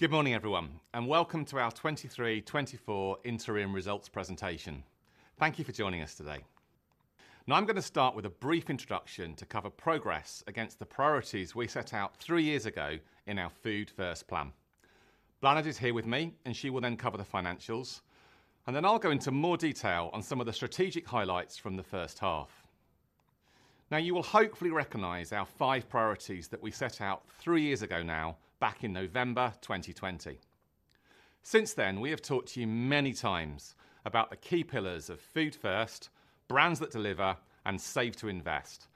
Good morning, everyone, and welcome to our 2023/2024 interim results presentation. Thank you for joining us today. Now, I'm gonna start with a brief introduction to cover progress against the priorities we set out three years ago in our Food First plan. Bláthnaid is here with me, and she will then cover the financials, and then I'll go into more detail on some of the strategic highlights from the first half. Now, you will hopefully recognize our five priorities that we set out three years ago now, back in November 2020. Since then, we have talked to you many times about the key pillars of Food First, Brands that Deliver, and Save to Invest,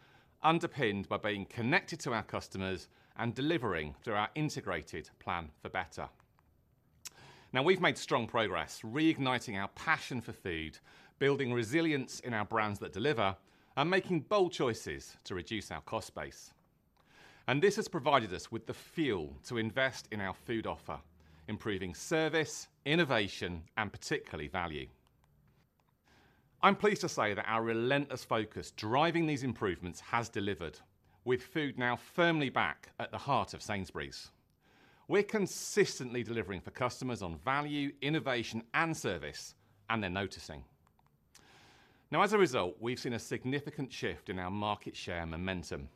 underpinned by being connected to our customers and delivering through our integrated Plan for Better. Now, we've made strong progress reigniting our passion for food, building resilience in our Brands that Deliver, and making bold choices to reduce our cost base. This has provided us with the fuel to invest in our food offer, improving service, innovation, and particularly value. I'm pleased to say that our relentless focus driving these improvements has delivered, with food now firmly back at the heart of Sainsbury's. We're consistently delivering for customers on value, innovation, and service, and they're noticing. Now, as a result, we've seen a significant shift in our market share momentum,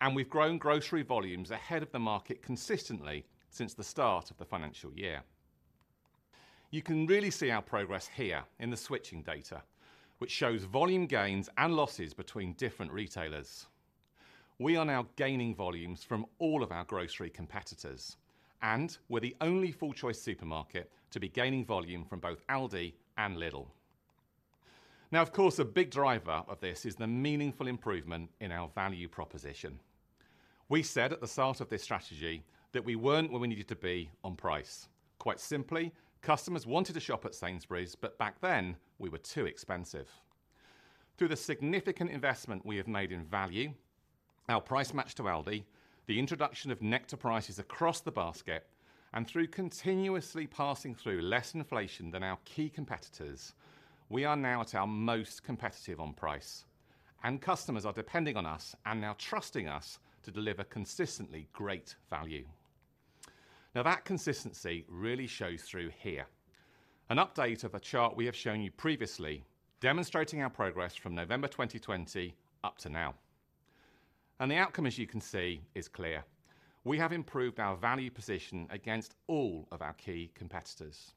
and we've grown grocery volumes ahead of the market consistently since the start of the financial year. You can really see our progress here in the switching data, which shows volume gains and losses between different retailers. We are now gaining volumes from all of our grocery competitors, and we're the only full-choice supermarket to be gaining volume from both Aldi and Lidl. Now, of course, a big driver of this is the meaningful improvement in our value proposition. We said at the start of this strategy that we weren't where we needed to be on price. Quite simply, customers wanted to shop at Sainsbury's, but back then we were too expensive. Through the significant investment we have made in value, our Price Match to Aldi, the introduction of Nectar Prices across the basket, and through continuously passing through less inflation than our key competitors, we are now at our most competitive on price, and customers are depending on us and now trusting us to deliver consistently great value. Now, that consistency really shows through here. An update of a chart we have shown you previously, demonstrating our progress from November 2020 up to now, and the outcome, as you can see, is clear. We have improved our value position against all of our key competitors.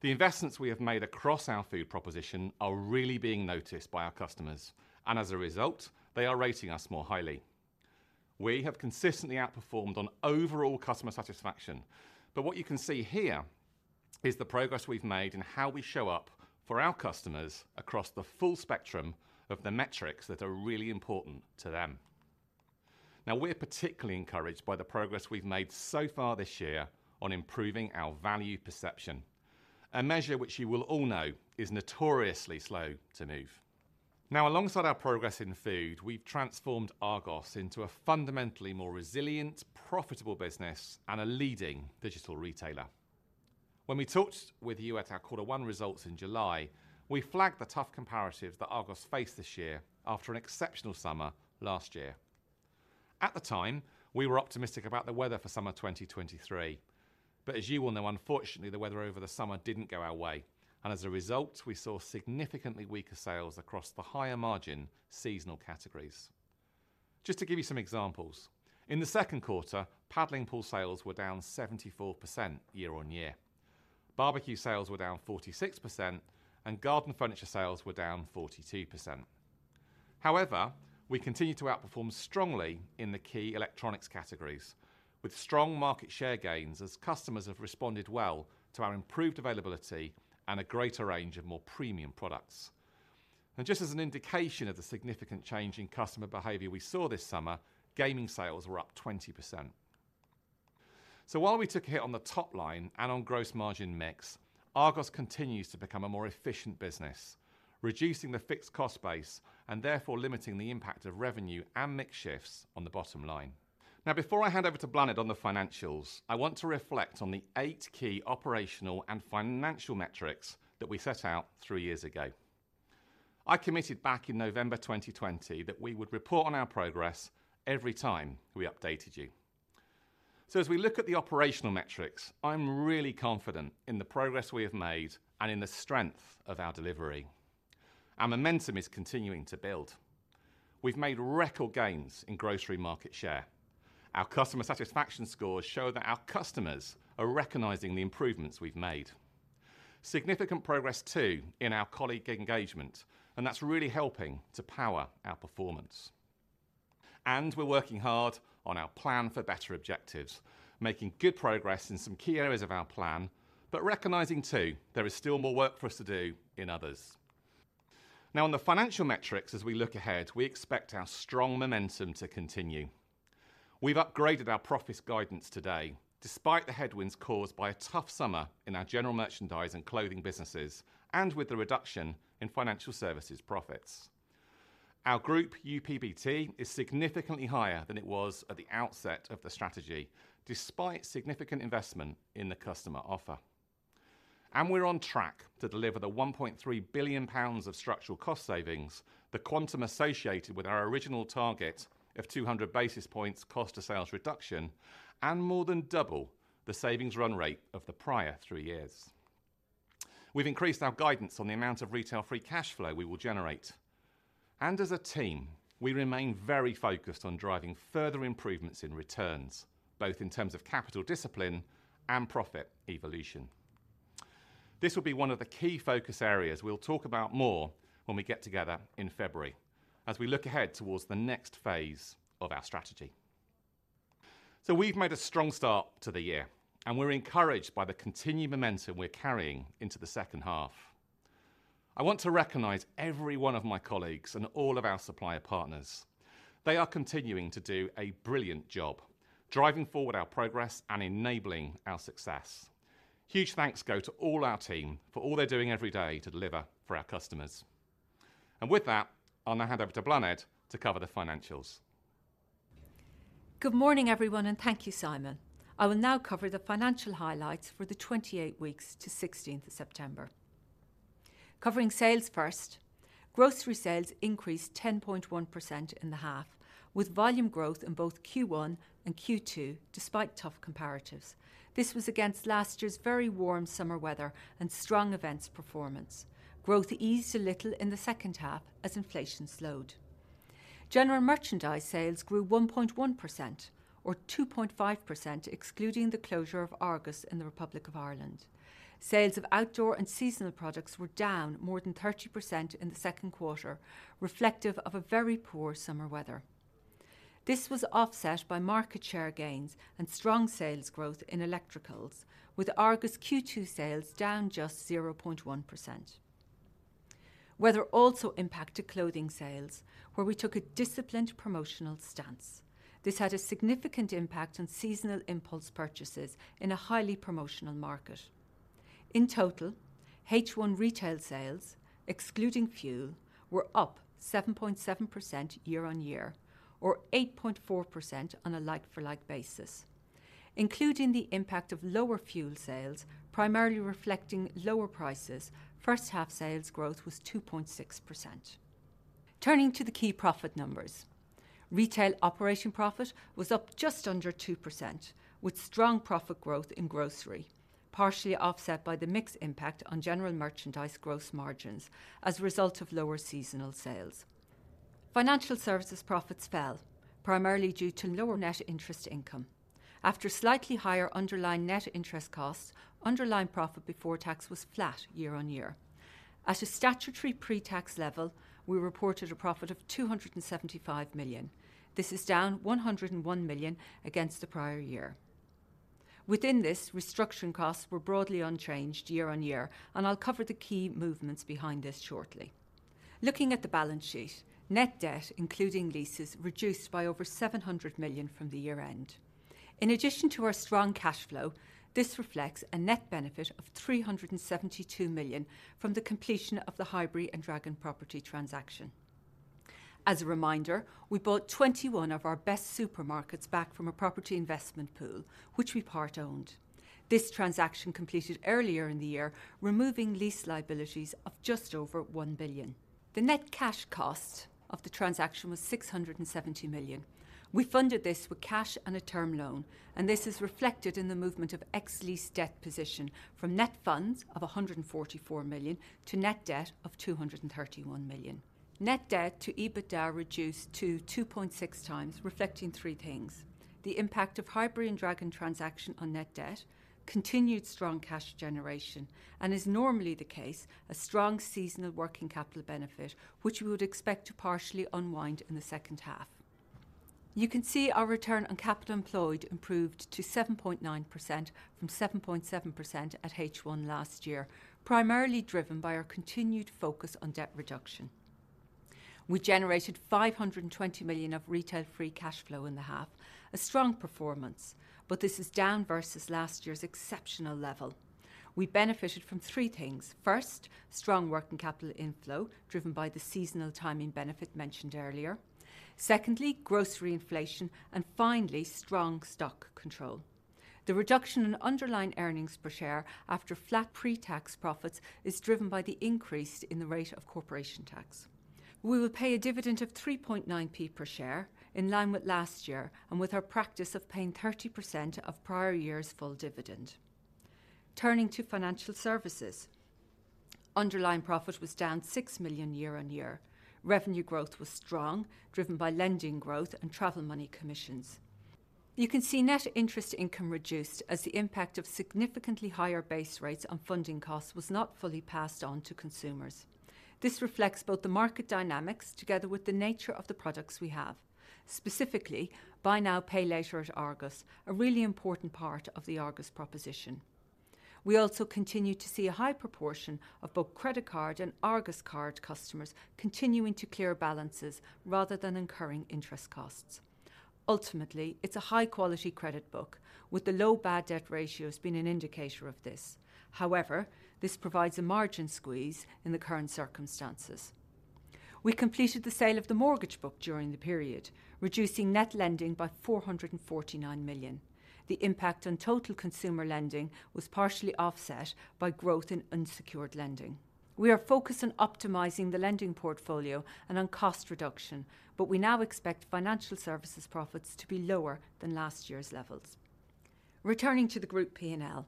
The investments we have made across our food proposition are really being noticed by our customers, and as a result, they are rating us more highly. We have consistently outperformed on overall customer satisfaction, but what you can see here is the progress we've made in how we show up for our customers across the full spectrum of the metrics that are really important to them. Now, we're particularly encouraged by the progress we've made so far this year on improving our value perception, a measure which you will all know is notoriously slow to move. Now, alongside our progress in food, we've transformed Argos into a fundamentally more resilient, profitable business and a leading digital retailer. When we talked with you at our Quarter One results in July, we flagged the tough comparatives that Argos faced this year after an exceptional summer last year. At the time, we were optimistic about the weather for summer 2023, but as you all know, unfortunately, the weather over the summer didn't go our way, and as a result, we saw significantly weaker sales across the higher-margin seasonal categories. Just to give you some examples, in the second quarter, paddling pool sales were down 74% year on year. Barbecue sales were down 46%, and garden furniture sales were down 42%. However, we continued to outperform strongly in the key electronics categories, with strong market share gains as customers have responded well to our improved availability and a greater range of more premium products. And just as an indication of the significant change in customer behavior we saw this summer, gaming sales were up 20%. So while we took a hit on the top line and on gross margin mix, Argos continues to become a more efficient business, reducing the fixed cost base and therefore limiting the impact of revenue and mix shifts on the bottom line. Now, before I hand over to Bláthnaid on the financials, I want to reflect on the eight key operational and financial metrics that we set out three years ago. I committed back in November 2020 that we would report on our progress every time we updated you. As we look at the operational metrics, I'm really confident in the progress we have made and in the strength of our delivery. Our momentum is continuing to build. We've made record gains in grocery market share. Our customer satisfaction scores show that our customers are recognizing the improvements we've made. Significant progress, too, in our colleague engagement, and that's really helping to power our performance. We're working hard on our Plan for Better objectives, making good progress in some key areas of our plan, but recognizing, too, there is still more work for us to do in others. Now, on the financial metrics, as we look ahead, we expect our strong momentum to continue. We've upgraded our profits guidance today, despite the headwinds caused by a tough summer in our general merchandise and clothing businesses and with the reduction in financial services profits. Our group UPBT is significantly higher than it was at the outset of the strategy, despite significant investment in the customer offer, and we're on track to deliver the 1.3 billion pounds of structural cost savings, the quantum associated with our original target of 200 basis points cost to sales reduction, and more than double the savings run rate of the prior three years. We've increased our guidance on the amount of retail free cash flow we will generate. As a team, we remain very focused on driving further improvements in returns, both in terms of capital discipline and profit evolution. This will be one of the key focus areas we'll talk about more when we get together in February, as we look ahead towards the next phase of our strategy. We've made a strong start to the year, and we're encouraged by the continued momentum we're carrying into the second half. I want to recognize every one of my colleagues and all of our supplier partners. They are continuing to do a brilliant job, driving forward our progress and enabling our success. Huge thanks go to all our team for all they're doing every day to deliver for our customers. With that, I'll now hand over to Bláthnaid to cover the financials. Good morning, everyone, and thank you, Simon. I will now cover the financial highlights for the 28 weeks to 16th of September. Covering sales first, grocery sales increased 10.1% in the half, with volume growth in both Q1 and Q2, despite tough comparatives. This was against last year's very warm summer weather and strong events performance. Growth eased a little in the second half as inflation slowed. General merchandise sales grew 1.1%, or 2.5%, excluding the closure of Argos in the Republic of Ireland. Sales of outdoor and seasonal products were down more than 30% in the second quarter, reflective of a very poor summer weather. This was offset by market share gains and strong sales growth in electricals, with Argos Q2 sales down just 0.1%. Weather also impacted clothing sales, where we took a disciplined promotional stance. This had a significant impact on seasonal impulse purchases in a highly promotional market. In total, H1 retail sales, excluding fuel, were up 7.7% year-on-year, or 8.4% on a like-for-like basis. Including the impact of lower fuel sales, primarily reflecting lower prices, first half sales growth was 2.6%. Turning to the key profit numbers, retail operating profit was up just under 2%, with strong profit growth in grocery, partially offset by the mix impact on general merchandise gross margins as a result of lower seasonal sales. Financial services profits fell, primarily due to lower net interest income. After slightly higher underlying net interest costs, underlying profit before tax was flat year-on-year. At a statutory pre-tax level, we reported a profit of 275 million. This is down 101 million against the prior year. Within this, restructuring costs were broadly unchanged year on year, and I'll cover the key movements behind this shortly. Looking at the balance sheet, net debt, including leases, reduced by over 700 million from the year-end. In addition to our strong cash flow, this reflects a net benefit of 372 million from the completion of the Highbury and Dragon property transaction. As a reminder, we bought 21 of our best supermarkets back from a property investment pool, which we part-owned. This transaction completed earlier in the year, removing lease liabilities of just over 1 billion. The net cash cost of the transaction was 670 million. We funded this with cash and a term loan, and this is reflected in the movement of ex-lease debt position from net funds of 144 million to net debt of 231 million. Net debt to EBITDA reduced to 2.6 x, reflecting three things: the impact of Highbury and Dragon transaction on net debt, continued strong cash generation, and as is normally the case, a strong seasonal working capital benefit, which we would expect to partially unwind in the second half. You can see our return on capital employed improved to 7.9% from 7.7% at H1 last year, primarily driven by our continued focus on debt reduction. We generated 520 million of retail free cash flow in the half, a strong performance, but this is down versus last year's exceptional level. We benefited from three things. First, strong working capital inflow, driven by the seasonal timing benefit mentioned earlier. Secondly, grocery inflation, and finally, strong stock control. The reduction in underlying earnings per share after flat pre-tax profits is driven by the increase in the rate of corporation tax. We will pay a dividend of 3.9p per share, in line with last year and with our practice of paying 30% of prior year's full dividend. Turning to financial services, underlying profit was down 6 million year-on-year. Revenue growth was strong, driven by lending growth and travel money commissions. You can see net interest income reduced as the impact of significantly higher base rates on funding costs was not fully passed on to consumers. This reflects both the market dynamics together with the nature of the products we have. Specifically, Buy Now, Pay Later at Argos, a really important part of the Argos proposition. We also continue to see a high proportion of both credit card and Argos Card customers continuing to clear balances rather than incurring interest costs. Ultimately, it's a high-quality credit book, with the low bad debt ratios being an indicator of this. However, this provides a margin squeeze in the current circumstances. We completed the sale of the mortgage book during the period, reducing net lending by 449 million. The impact on total consumer lending was partially offset by growth in unsecured lending. We are focused on optimizing the lending portfolio and on cost reduction, but we now expect financial services profits to be lower than last year's levels. Returning to the group P&L.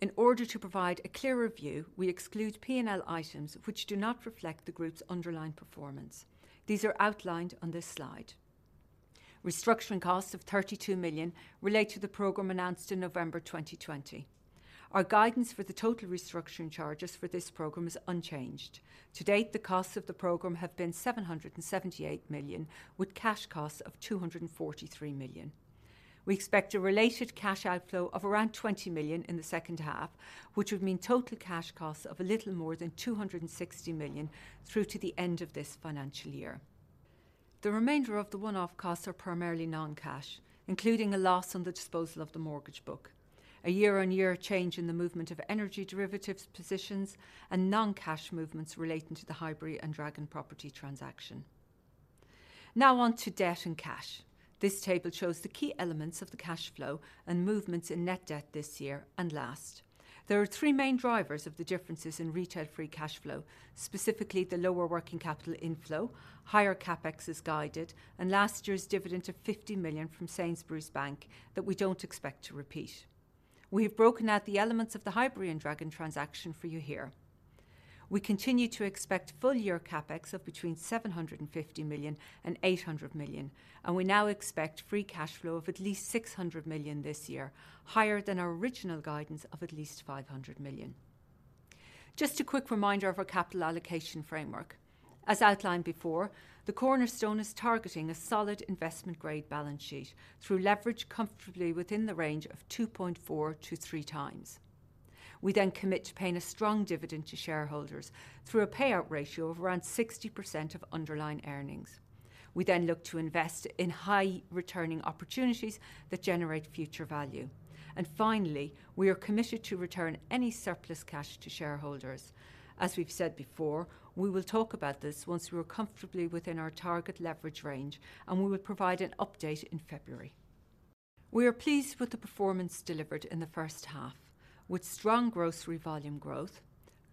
In order to provide a clearer view, we exclude P&L items which do not reflect the group's underlying performance. These are outlined on this slide. Restructuring costs of 32 million relate to the program announced in November 2020. Our guidance for the total restructuring charges for this program is unchanged. To date, the costs of the program have been 778 million, with cash costs of 243 million. We expect a related cash outflow of around 20 million in the second half, which would mean total cash costs of a little more than 260 million through to the end of this financial year. The remainder of the one-off costs are primarily non-cash, including a loss on the disposal of the mortgage book, a year-on-year change in the movement of energy derivatives positions, and non-cash movements relating to the Highbury and Dragon property transaction. Now on to debt and cash. This table shows the key elements of the cash flow and movements in net debt this year and last. There are three main drivers of the differences in retail free cash flow, specifically the lower working capital inflow, higher CapEx as guided, and last year's dividend of 50 million from Sainsbury's Bank that we don't expect to repeat. We have broken out the elements of the Highbury and Dragon transaction for you here. We continue to expect full-year CapEx of between 750 million and 800 million, and we now expect free cash flow of at least 600 million this year, higher than our original guidance of at least 500 million. Just a quick reminder of our capital allocation framework. As outlined before, the cornerstone is targeting a solid investment-grade balance sheet through leverage comfortably within the range of 2.4 to 3 x. We then commit to paying a strong dividend to shareholders through a payout ratio of around 60% of underlying earnings. We then look to invest in high-returning opportunities that generate future value. And finally, we are committed to return any surplus cash to shareholders. As we've said before, we will talk about this once we are comfortably within our target leverage range, and we will provide an update in February. We are pleased with the performance delivered in the first half, with strong grocery volume growth,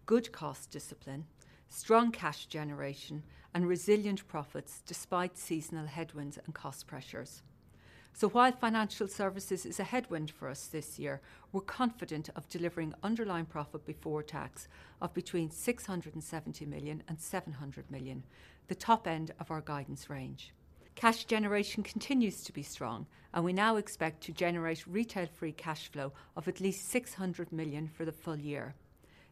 good cost discipline, strong cash generation, and resilient profits despite seasonal headwinds and cost pressures. So while financial services is a headwind for us this year, we're confident of delivering underlying profit before tax of between 670 million and 700 million, the top end of our guidance range. Cash generation continues to be strong, and we now expect to generate retail free cash flow of at least 600 million for the full year.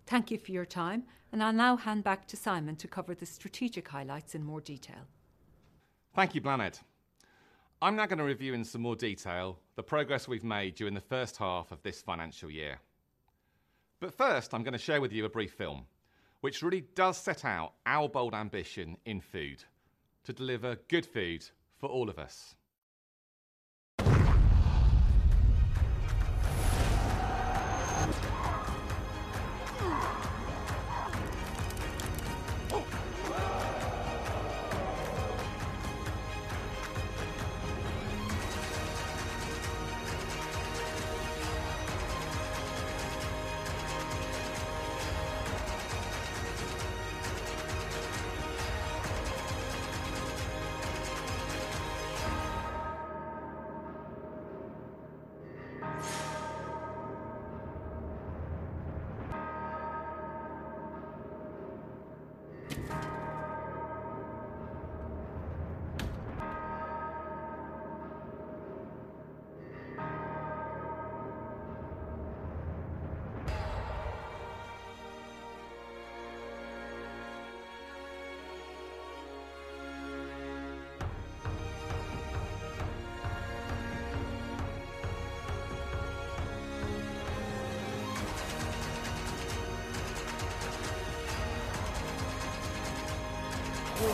Thank you for your time, and I'll now hand back to Simon to cover the strategic highlights in more detail. Thank you, Bláthnaid. I'm now going to review in some more detail the progress we've made during the first half of this financial year. But first, I'm going to share with you a brief film, which really does set out our bold ambition in food: to deliver good food for all of us.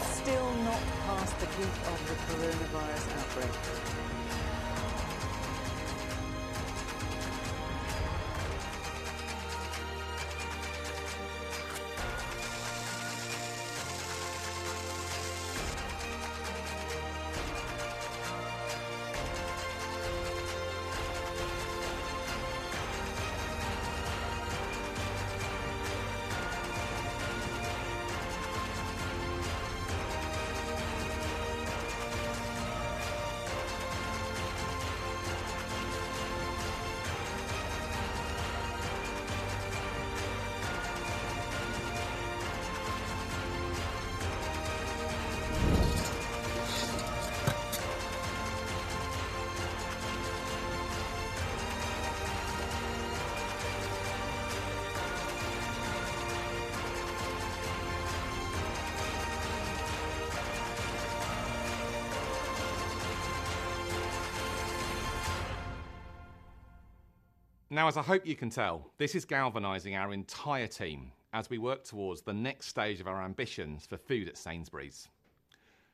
We're still not past the peak of the coronavirus outbreak. Now, as I hope you can tell, this is galvanizing our entire team as we work towards the next stage of our ambitions for food at Sainsbury's...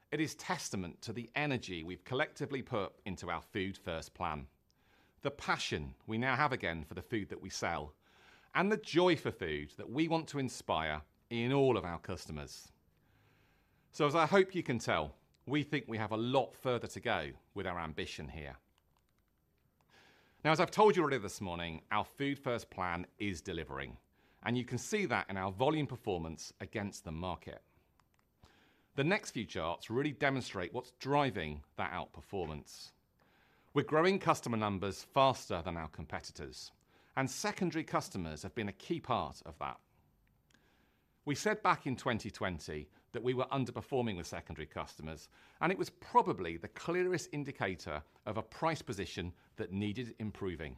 It is testament to the energy we've collectively put into our Food First plan, the passion we now have again for the food that we sell, and the joy for food that we want to inspire in all of our customers. So as I hope you can tell, we think we have a lot further to go with our ambition here. Now, as I've told you already this morning, our Food First plan is delivering, and you can see that in our volume performance against the market. The next few charts really demonstrate what's driving that outperformance. We're growing customer numbers faster than our competitors, and secondary customers have been a key part of that. We said back in 2020 that we were underperforming with secondary customers, and it was probably the clearest indicator of a price position that needed improving.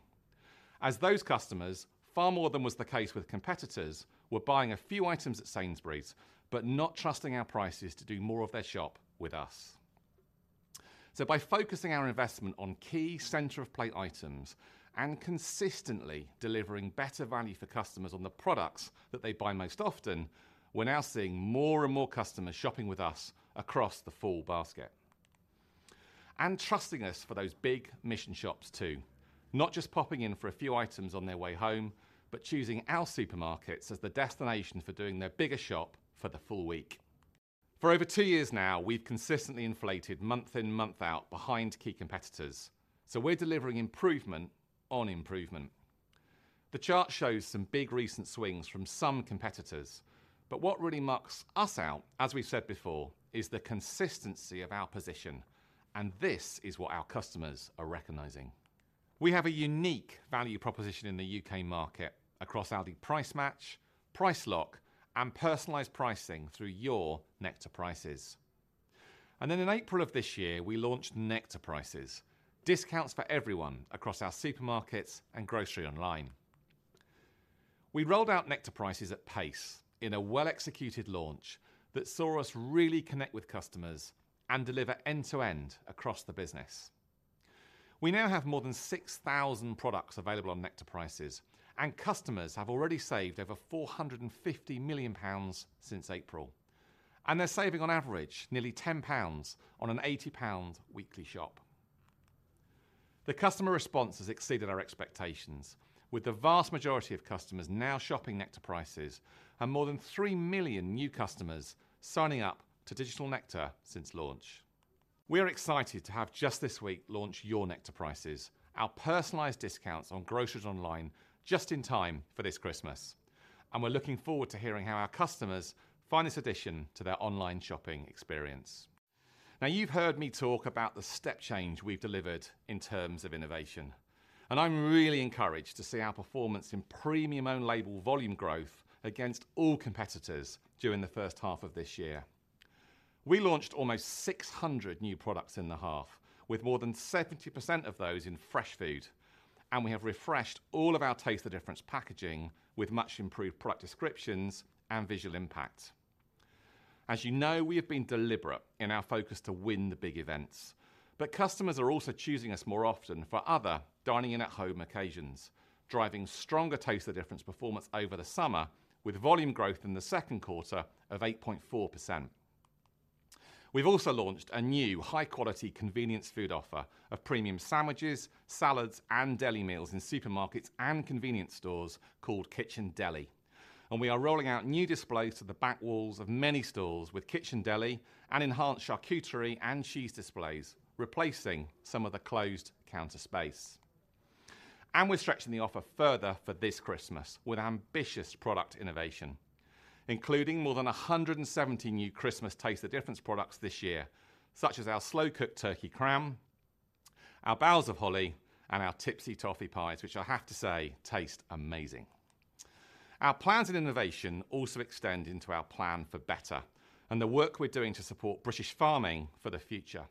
As those customers, far more than was the case with competitors, were buying a few items at Sainsbury's, but not trusting our prices to do more of their shop with us. So by focusing our investment on key center of plate items and consistently delivering better value for customers on the products that they buy most often, we're now seeing more and more customers shopping with us across the full basket and trusting us for those big mission shops too. Not just popping in for a few items on their way home, but choosing our supermarkets as the destination for doing their bigger shop for the full week. For over two years now, we've consistently inflated month in, month out behind key competitors, so we're delivering improvement on improvement. The chart shows some big recent swings from some competitors, but what really marks us out, as we've said before, is the consistency of our position, and this is what our customers are recognizing. We have a unique value proposition in the UK market across our Price Match, Price Lock, and personalized pricing through Your Nectar Prices. And then in April of this year, we launched Nectar Prices, discounts for everyone across our supermarkets and grocery online. We rolled out Nectar Prices at pace in a well-executed launch that saw us really connect with customers and deliver end-to-end across the business. We now have more than 6,000 products available on Nectar Prices, and customers have already saved over 450 million pounds since April, and they're saving, on average, nearly 10 pounds on a 80 pound weekly shop. The customer response has exceeded our expectations, with the vast majority of customers now shopping Nectar Prices and more than 3 million new customers signing up to Digital Nectar since launch. We are excited to have just this week launched Your Nectar Prices, our personalized discounts on groceries online, just in time for this Christmas, and we're looking forward to hearing how our customers find this addition to their online shopping experience. Now, you've heard me talk about the step change we've delivered in terms of innovation, and I'm really encouraged to see our performance in premium own label volume growth against all competitors during the first half of this year. We launched almost 600 new products in the half, with more than 70% of those in fresh food, and we have refreshed all of our Taste the Difference packaging with much-improved product descriptions and visual impact. As you know, we have been deliberate in our focus to win the big events, but customers are also choosing us more often for other dining in at-home occasions, driving stronger Taste the Difference performance over the summer, with volume growth in the second quarter of 8.4%. We've also launched a new high-quality convenience food offer of premium sandwiches, salads, and deli meals in supermarkets and convenience stores called Kitchen Deli, and we are rolling out new displays to the back walls of many stores with Kitchen Deli and enhanced charcuterie and cheese displays, replacing some of the closed counter space. We're stretching the offer further for this Christmas with ambitious product innovation, including more than 170 new Christmas Taste the Difference products this year, such as our Slow-Cooked Turkey Crown, our Baubles of Holly, and our Tipsy Toffee Pies, which I have to say, taste amazing. Our plans in innovation also extend into our Plan for Better and the work we're doing to support British farming for the future.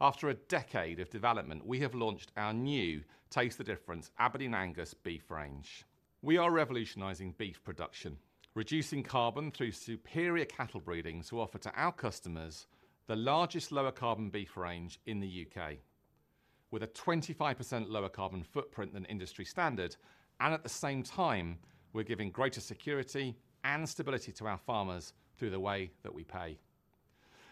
After a decade of development, we have launched our new Taste the Difference Aberdeen Angus beef range. We are revolutionizing beef production, reducing carbon through superior cattle breeding to offer to our customers the largest lower-carbon beef range in the UK, with a 25% lower carbon footprint than industry standard, and at the same time, we're giving greater security and stability to our farmers through the way that we pay.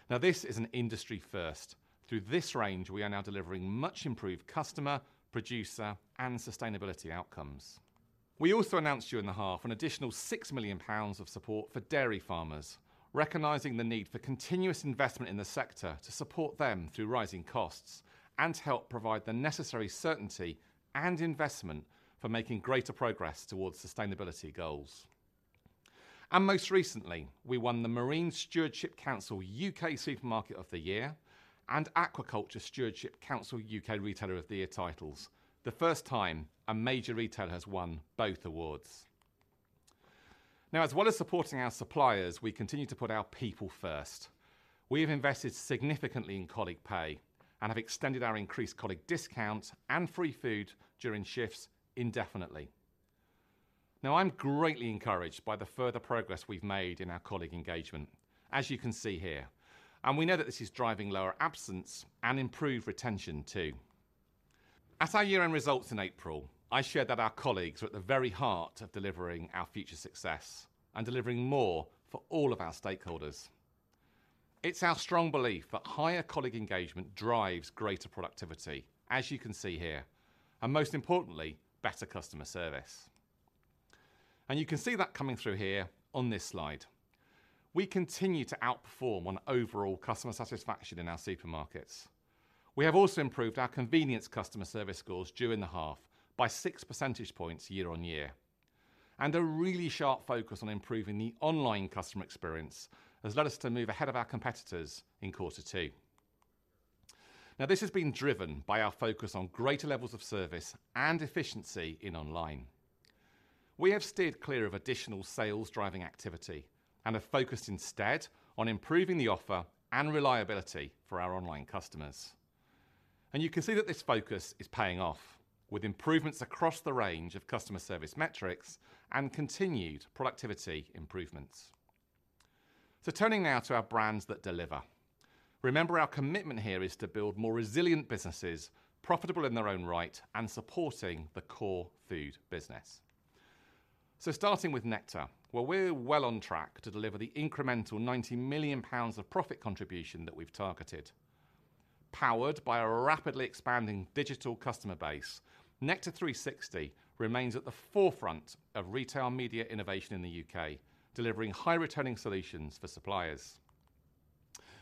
Now, this is an industry first. Through this range, we are now delivering much-improved customer, producer, and sustainability outcomes. We also announced during the half an additional 6 million pounds of support for dairy farmers, recognizing the need for continuous investment in the sector to support them through rising costs and help provide the necessary certainty and investment for making greater progress towards sustainability goals. Most recently, we won the Marine Stewardship Council UK Supermarket of the Year and Aquaculture Stewardship Council UK Retailer of the Year titles, the first time a major retailer has won both awards. Now, as well as supporting our suppliers, we continue to put our people first. We have invested significantly in colleague pay and have extended our increased colleague discounts and free food during shifts indefinitely. Now, I'm greatly encouraged by the further progress we've made in our colleague engagement, as you can see here, and we know that this is driving lower absence and improved retention too. At our year-end results in April, I shared that our colleagues were at the very heart of delivering our future success and delivering more for all of our stakeholders. It's our strong belief that higher colleague engagement drives greater productivity, as you can see here, and most importantly, better customer service. You can see that coming through here on this slide. We continue to outperform on overall customer satisfaction in our supermarkets. We have also improved our convenience customer service scores during the half by 6 percentage points year-on-year. A really sharp focus on improving the online customer experience has led us to move ahead of our competitors in quarter two. Now, this has been driven by our focus on greater levels of service and efficiency in online. We have steered clear of additional sales-driving activity and have focused instead on improving the offer and reliability for our online customers. And you can see that this focus is paying off, with improvements across the range of customer service metrics and continued productivity improvements. So turning now to our Brands that Deliver. Remember, our commitment here is to build more resilient businesses, profitable in their own right and supporting the core food business. So starting with Nectar, well, we're well on track to deliver the incremental 90 million pounds of profit contribution that we've targeted. Powered by a rapidly expanding digital customer base, Nectar360 remains at the forefront of retail media innovation in the UK, delivering high-returning solutions for suppliers.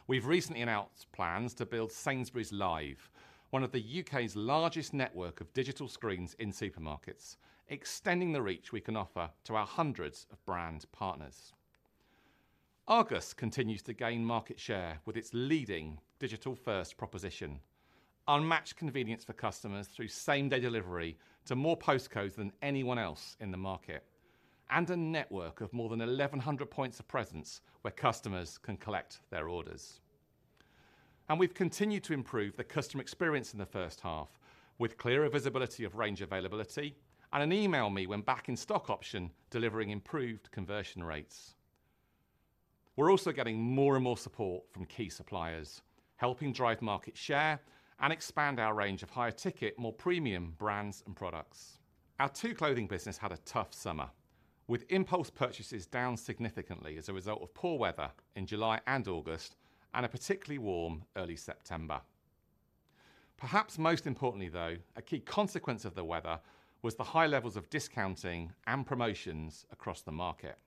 We've recently announced plans to build Sainsbury's Live, one of the U.K.'s largest network of digital screens in supermarkets, extending the reach we can offer to our hundreds of brand partners. Argos continues to gain market share with its leading digital-first proposition, unmatched convenience for customers through same-day delivery to more postcodes than anyone else in the market, and a network of more than 1,100 points of presence where customers can collect their orders. We've continued to improve the customer experience in the first half, with clearer visibility of range availability and an Email Me When Back in Stock option, delivering improved conversion rates. We're also getting more and more support from key suppliers, helping drive market share and expand our range of higher-ticket, more premium brands and products. Our Tu Clothing business had a tough summer, with impulse purchases down significantly as a result of poor weather in July and August and a particularly warm early September. Perhaps most importantly, though, a key consequence of the weather was the high levels of discounting and promotions across the market.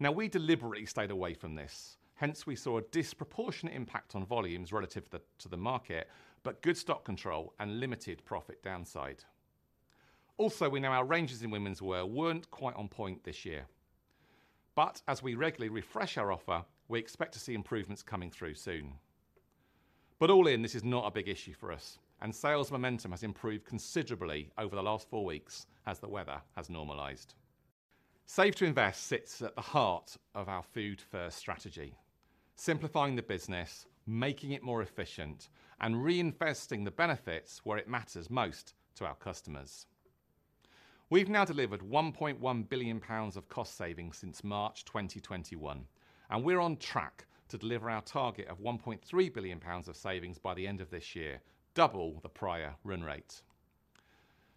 Now, we deliberately stayed away from this. Hence, we saw a disproportionate impact on volumes relative to the market, but good stock control and limited profit downside. Also, we know our ranges in womenswear weren't quite on point this year, but as we regularly refresh our offer, we expect to see improvements coming through soon. But all in, this is not a big issue for us, and sales momentum has improved considerably over the last four weeks as the weather has normalized. Save to Invest sits at the heart of our Food First strategy, simplifying the business, making it more efficient, and reinvesting the benefits where it matters most to our customers. We've now delivered 1.1 billion pounds of cost savings since March 2021, and we're on track to deliver our target of 1.3 billion pounds of savings by the end of this year, double the prior run rate.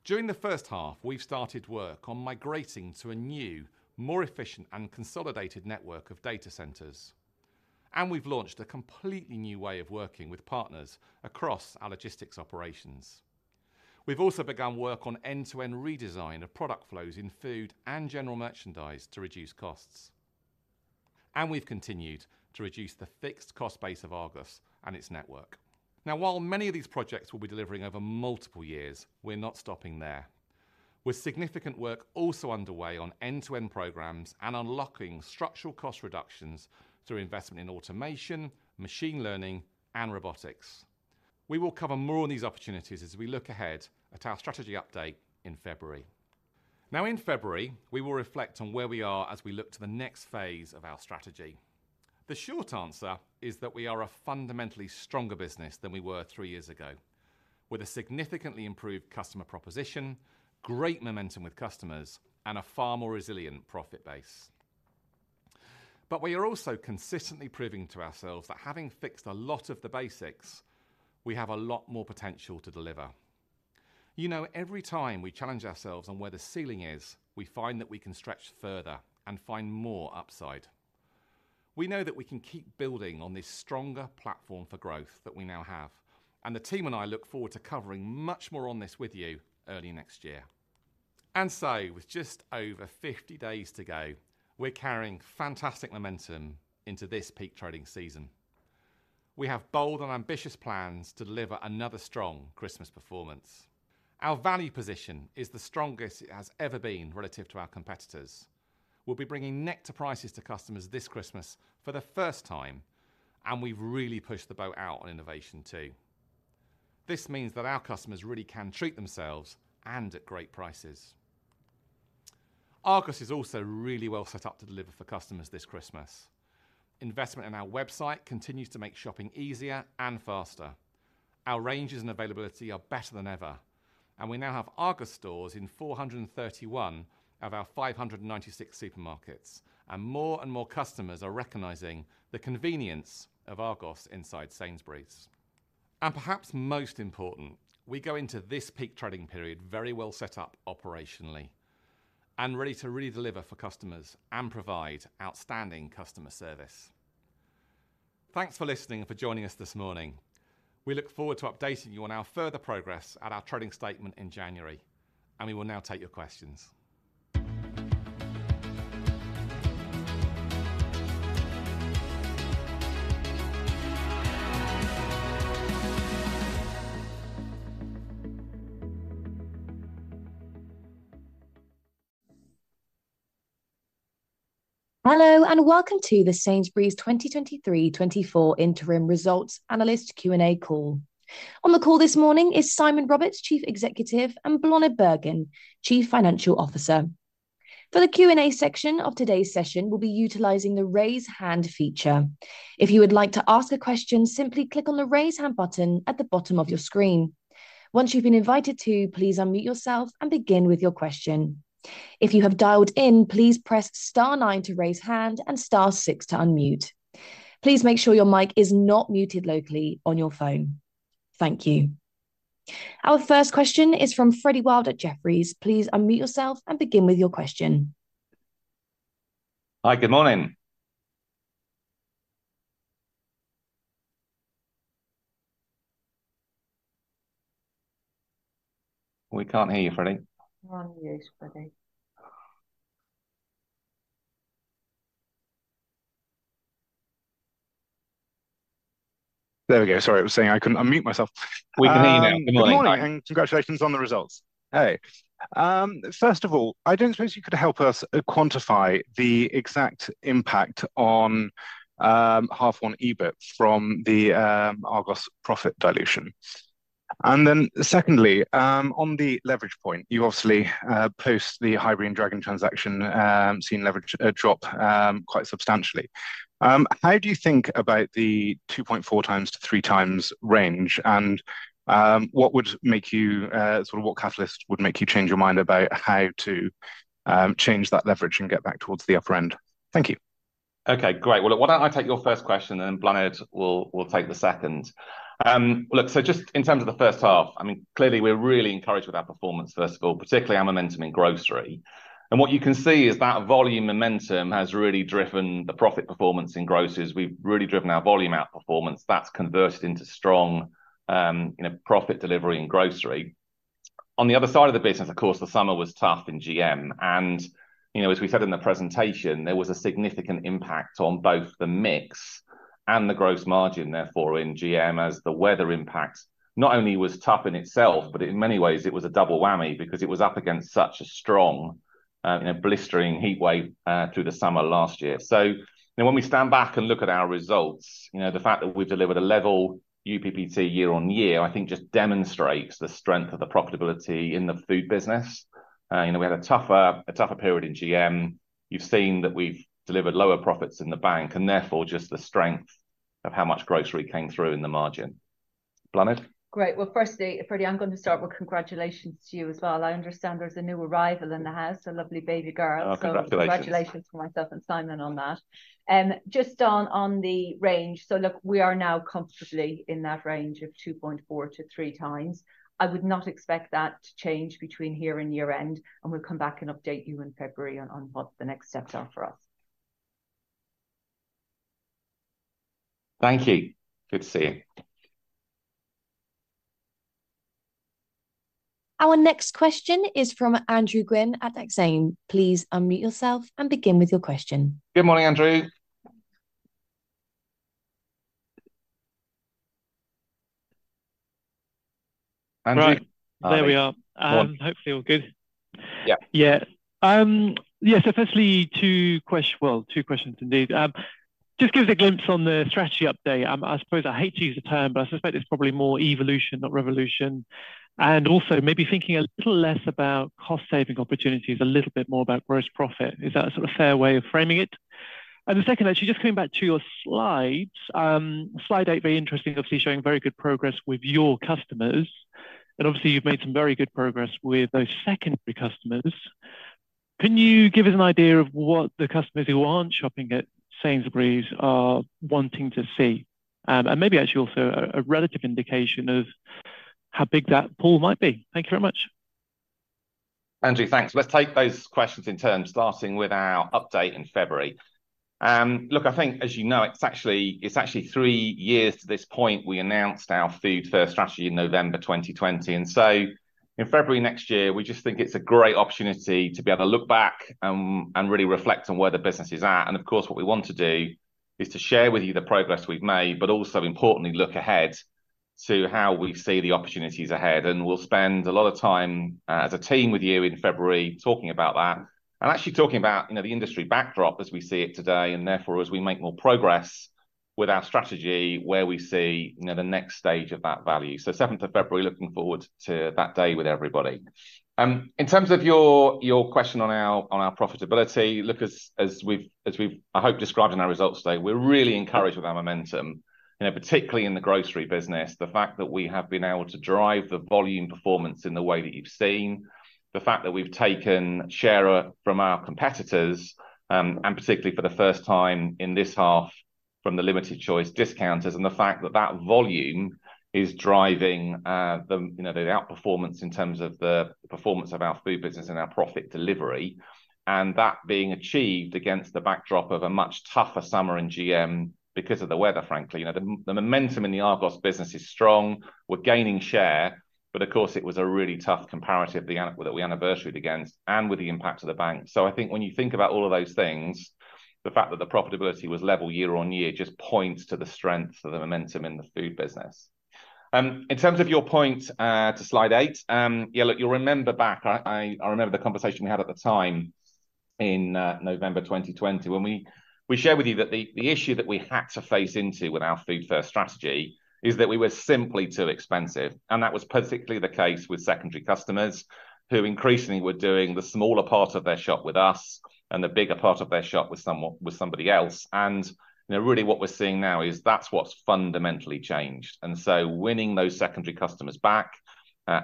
During the first half, we've started work on migrating to a new, more efficient and consolidated network of data centers, and we've launched a completely new way of working with partners across our logistics operations. We've also begun work on end-to-end redesign of product flows in food and general merchandise to reduce costs. We've continued to reduce the fixed cost base of Argos and its network. Now, while many of these projects will be delivering over multiple years, we're not stopping there. With significant work also underway on end-to-end programs and unlocking structural cost reductions through investment in automation, machine learning, and robotics. We will cover more on these opportunities as we look ahead at our strategy update in February. Now, in February, we will reflect on where we are as we look to the next phase of our strategy. The short answer is that we are a fundamentally stronger business than we were three years ago, with a significantly improved customer proposition, great momentum with customers, and a far more resilient profit base. But we are also consistently proving to ourselves that having fixed a lot of the basics, we have a lot more potential to deliver. You know, every time we challenge ourselves on where the ceiling is, we find that we can stretch further and find more upside. We know that we can keep building on this stronger platform for growth that we now have, and the team and I look forward to covering much more on this with you early next year. And so, with just over 50 days to go, we're carrying fantastic momentum into this peak trading season. We have bold and ambitious plans to deliver another strong Christmas performance. Our value position is the strongest it has ever been relative to our competitors. We'll be bringing Nectar Prices to customers this Christmas for the first time, and we've really pushed the boat out on innovation, too. This means that our customers really can treat themselves and at great prices. Argos is also really well set up to deliver for customers this Christmas. Investment in our website continues to make shopping easier and faster. Our ranges and availability are better than ever... and we now have Argos stores in 431 of our 596 supermarkets. More and more customers are recognizing the convenience of Argos inside Sainsbury's. Perhaps most important, we go into this peak trading period very well set up operationally, and ready to really deliver for customers and provide outstanding customer service. Thanks for listening and for joining us this morning. We look forward to updating you on our further progress at our trading statement in January, and we will now take your questions. Hello, and welcome to the Sainsbury's 2023-2024 interim results analyst Q&A call. On the call this morning is Simon Roberts, Chief Executive, and Bláthnaid Bergin, Chief Financial Officer. For the Q&A section of today's session, we'll be utilizing the Raise Hand feature. If you would like to ask a question, simply click on the Raise Hand button at the bottom of your screen. Once you've been invited to, please unmute yourself and begin with your question. If you have dialed in, please press star nine to raise hand and star six to unmute. Please make sure your mic is not muted locally on your phone. Thank you. Our first question is from Freddie Wild at Jefferies. Please unmute yourself and begin with your question. Hi, good morning. We can't hear you, Freddie. We can't hear you, Freddie. There we go. Sorry, I was saying I couldn't unmute myself. We can hear you now. Good morning. Good morning, and congratulations on the results. Hey, first of all, I don't suppose you could help us quantify the exact impact on half one EBIT from the Argos profit dilution? And then secondly, on the leverage point, you obviously post the Highbury and Dragon transaction seen leverage drop quite substantially. How do you think about the 2.4x-3x range, and what would make you sort of what catalyst would make you change your mind about how to change that leverage and get back towards the upper end? Thank you. Okay, great. Well, why don't I take your first question, and then Bláthnaid will take the second. Look, so just in terms of the first half, I mean, clearly, we're really encouraged with our performance, first of all, particularly our momentum in grocery. And what you can see is that volume momentum has really driven the profit performance in groceries. We've really driven our volume outperformance. That's converted into strong, you know, profit delivery in grocery. On the other side of the business, of course, the summer was tough in GM. You know, as we said in the presentation, there was a significant impact on both the mix and the gross margin, therefore, in GM, as the weather impact, not only was tough in itself, but in many ways, it was a double whammy because it was up against such a strong, you know, blistering heat wave through the summer last year. So, you know, when we stand back and look at our results, you know, the fact that we've delivered a level UPBT year-over-year, I think just demonstrates the strength of the profitability in the food business. You know, we had a tougher, a tougher period in GM. You've seen that we've delivered lower profits in the bank, and therefore, just the strength of how much grocery came through in the margin. Bláthnaid? Great. Well, firstly, Freddie, I'm going to start with congratulations to you as well. I understand there's a new arrival in the house, a lovely baby girl. Oh, congratulations. So congratulations from myself and Simon on that. Just on the range. So look, we are now comfortably in that range of 2.4-3 x. I would not expect that to change between here and year-end, and we'll come back and update you in February on what the next steps are for us. Thank you. Good to see you. Our next question is from Andrew Gwynn at Exane. Please unmute yourself and begin with your question. Good morning, Andrew. Andrew? Right. There we are. Hi. Hopefully, all good. Yeah. Yeah. Yeah, so firstly, well, two questions indeed. Just give us a glimpse on the strategy update. I suppose I hate to use the term, but I suspect it's probably more evolution, not revolution, and also maybe thinking a little less about cost-saving opportunities, a little bit more about gross profit. Is that a sort of fair way of framing it? And the second actually, just coming back to your slides, slide eight, very interesting, obviously, showing very good progress with your customers, and obviously, you've made some very good progress with those secondary customers. Can you give us an idea of what the customers who aren't shopping at Sainsbury's are wanting to see? And maybe actually, also a relative indication of how big that pool might be. Thank you very much. Andrew, thanks. Let's take those questions in turn, starting with our update in February. Look, I think, as you know, it's actually three years to this point, we announced our Food First strategy in November 2020. And so in February next year, we just think it's a great opportunity to be able to look back, and really reflect on where the business is at. And of course, what we want to do is to share with you the progress we've made, but also importantly, look ahead to how we see the opportunities ahead. And we'll spend a lot of time, as a team with you in February, talking about that and actually talking about, you know, the industry backdrop as we see it today, and therefore, as we make more progress with our strategy, where we see, you know, the next stage of that value. Seventh of February, looking forward to that day with everybody. In terms of your, your question on our, on our profitability, look, as, as we've, as we've, I hope, described in our results today, we're really encouraged with our momentum. You know, particularly in the grocery business, the fact that we have been able to drive the volume performance in the way that you've seen, the fact that we've taken share from our competitors, and particularly for the first time in this half, from the limited choice discounters, and the fact that that volume is driving the, you know, the outperformance in terms of the performance of our food business and our profit delivery, and that being achieved against the backdrop of a much tougher summer in GM, because of the weather, frankly. You know, the momentum in the Argos business is strong. We're gaining share, but of course, it was a really tough comparative, the one that we anniversaried against and with the impact of the bank. So I think when you think about all of those things, the fact that the profitability was level year-over-year just points to the strength of the momentum in the food business. In terms of your point to slide 8, yeah, look, you'll remember back... I remember the conversation we had at the time in November 2020, when we shared with you that the issue that we had to face into with our Food First strategy is that we were simply too expensive, and that was particularly the case with secondary customers, who increasingly were doing the smaller part of their shop with us and the bigger part of their shop with somebody else. You know, really what we're seeing now is that's what's fundamentally changed. So winning those secondary customers back,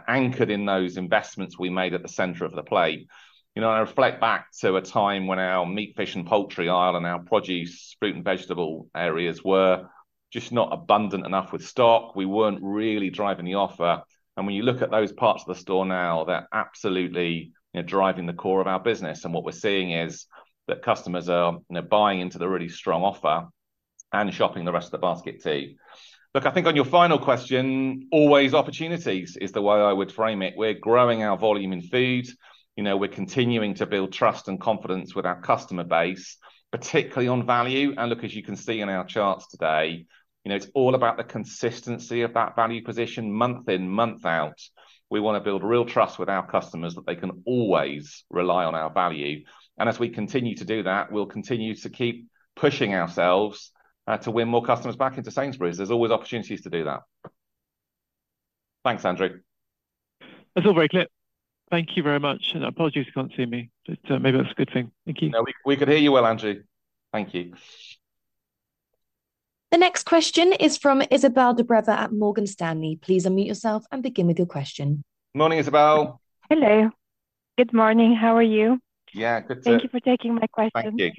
anchored in those investments we made at the center of the plate. You know, I reflect back to a time when our meat, fish, and poultry aisle and our produce, fruit, and vegetable areas were just not abundant enough with stock. We weren't really driving the offer. And when you look at those parts of the store now, they're absolutely driving the core of our business, and what we're seeing is that customers are, you know, buying into the really strong offer and shopping the rest of the basket, too. Look, I think on your final question, always opportunities is the way I would frame it. We're growing our volume in food. You know, we're continuing to build trust and confidence with our customer base, particularly on value. Look, as you can see in our charts today, you know, it's all about the consistency of that value position month in, month out. We want to build real trust with our customers, that they can always rely on our value. And as we continue to do that, we'll continue to keep pushing ourselves to win more customers back into Sainsbury's. There's always opportunities to do that. Thanks, Andrew. That's all very clear. Thank you very much, and I apologize you can't see me, but, maybe that's a good thing. Thank you. No, we could hear you well, Andrew. Thank you. The next question is from Izabel Dobre at Morgan Stanley. Please unmute yourself and begin with your question. Morning, Izabel. Hello. Good morning. How are you? Yeah, good, thanks. Thank you for taking my question. Thank you.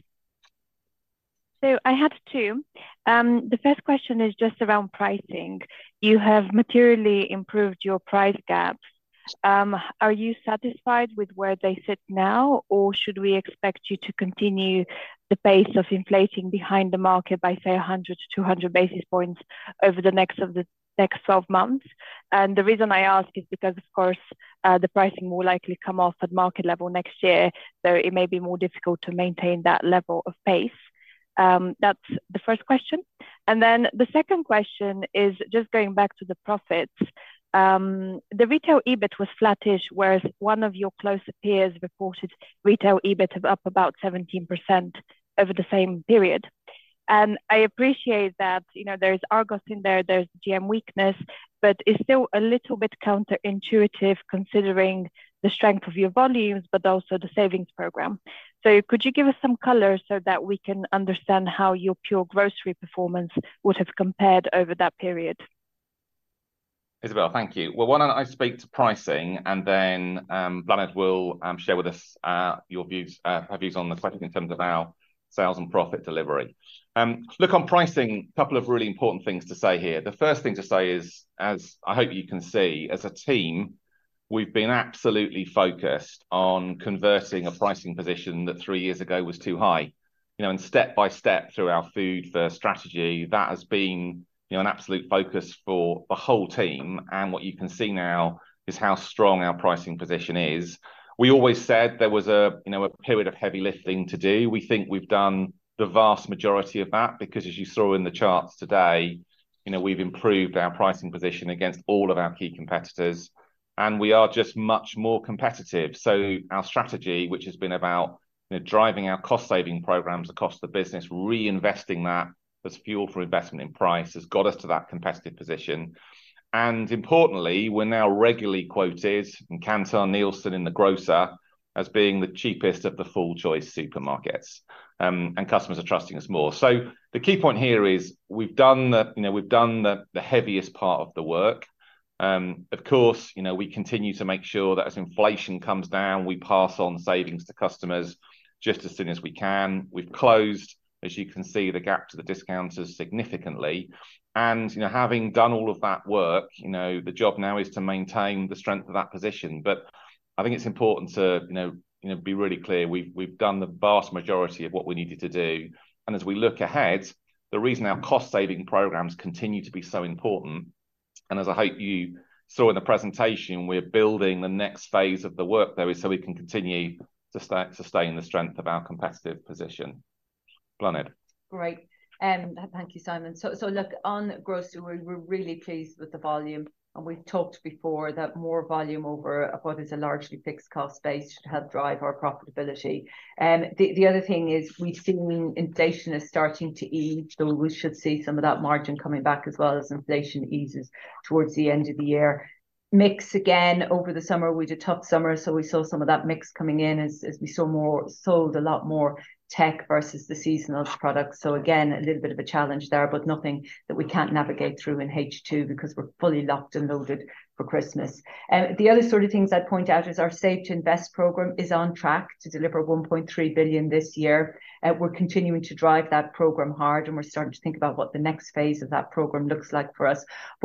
So I have two. The first question is just around pricing. You have materially improved your price gaps. Are you satisfied with where they sit now, or should we expect you to continue the pace of inflating behind the market by, say, 100-200 basis points over the next 12 months? And the reason I ask is because, of course, the pricing will likely come off at market level next year, so it may be more difficult to maintain that level of pace. That's the first question. And then the second question is just going back to the profits. The retail EBIT was flattish, whereas one of your close peers reported retail EBIT up about 17% over the same period. I appreciate that, you know, there's Argos in there, there's GM weakness, but it's still a little bit counterintuitive, considering the strength of your volumes, but also the savings program. Could you give us some color so that we can understand how your pure grocery performance would have compared over that period? Izabel, thank you. Well, why don't I speak to pricing, and then, Bláthnaid will share with us her views on the topic in terms of our sales and profit delivery. Look, on pricing, a couple of really important things to say here. The first thing to say is, as I hope you can see, as a team, we've been absolutely focused on converting a pricing position that three years ago was too high. You know, and step by step, through our Food First strategy, that has been, you know, an absolute focus for the whole team, and what you can see now is how strong our pricing position is. We always said there was a, you know, a period of heavy lifting to do. We think we've done the vast majority of that, because as you saw in the charts today, you know, we've improved our pricing position against all of our key competitors, and we are just much more competitive. So our strategy, which has been about, you know, driving our cost-saving programs across the business, reinvesting that as fuel for investment in price, has got us to that competitive position. And importantly, we're now regularly quoted in Kantar, Nielsen, and The Grocer as being the cheapest of the full-choice supermarkets. And customers are trusting us more. So the key point here is, you know, we've done the heaviest part of the work. Of course, you know, we continue to make sure that as inflation comes down, we pass on savings to customers just as soon as we can. We've closed, as you can see, the gap to the discounters significantly. And, you know, having done all of that work, you know, the job now is to maintain the strength of that position. But I think it's important to, you know, you know, be really clear, we've done the vast majority of what we needed to do. And as we look ahead, the reason our cost-saving programs continue to be so important, and as I hope you saw in the presentation, we're building the next phase of the work there, is so we can continue to sustain the strength of our competitive position. Bláthnaid? Great. Thank you, Simon. So, look, on grocery, we're really pleased with the volume, and we've talked before that more volume over what is a largely fixed cost base should help drive our profitability. The other thing is we've seen inflation is starting to ease, so we should see some of that margin coming back, as well as inflation eases towards the end of the year. Mix again over the summer. We did tough summer, so we saw some of that mix coming in as we saw sold a lot more tech versus the seasonal products. So again, a little bit of a challenge there, but nothing that we can't navigate through in H2 because we're fully locked and loaded for Christmas. The other sort of things I'd point out is our Save to Invest program is on track to deliver 1.3 billion this year, and we're continuing to drive that program hard, and we're starting to think about what the next phase of that program looks like for us.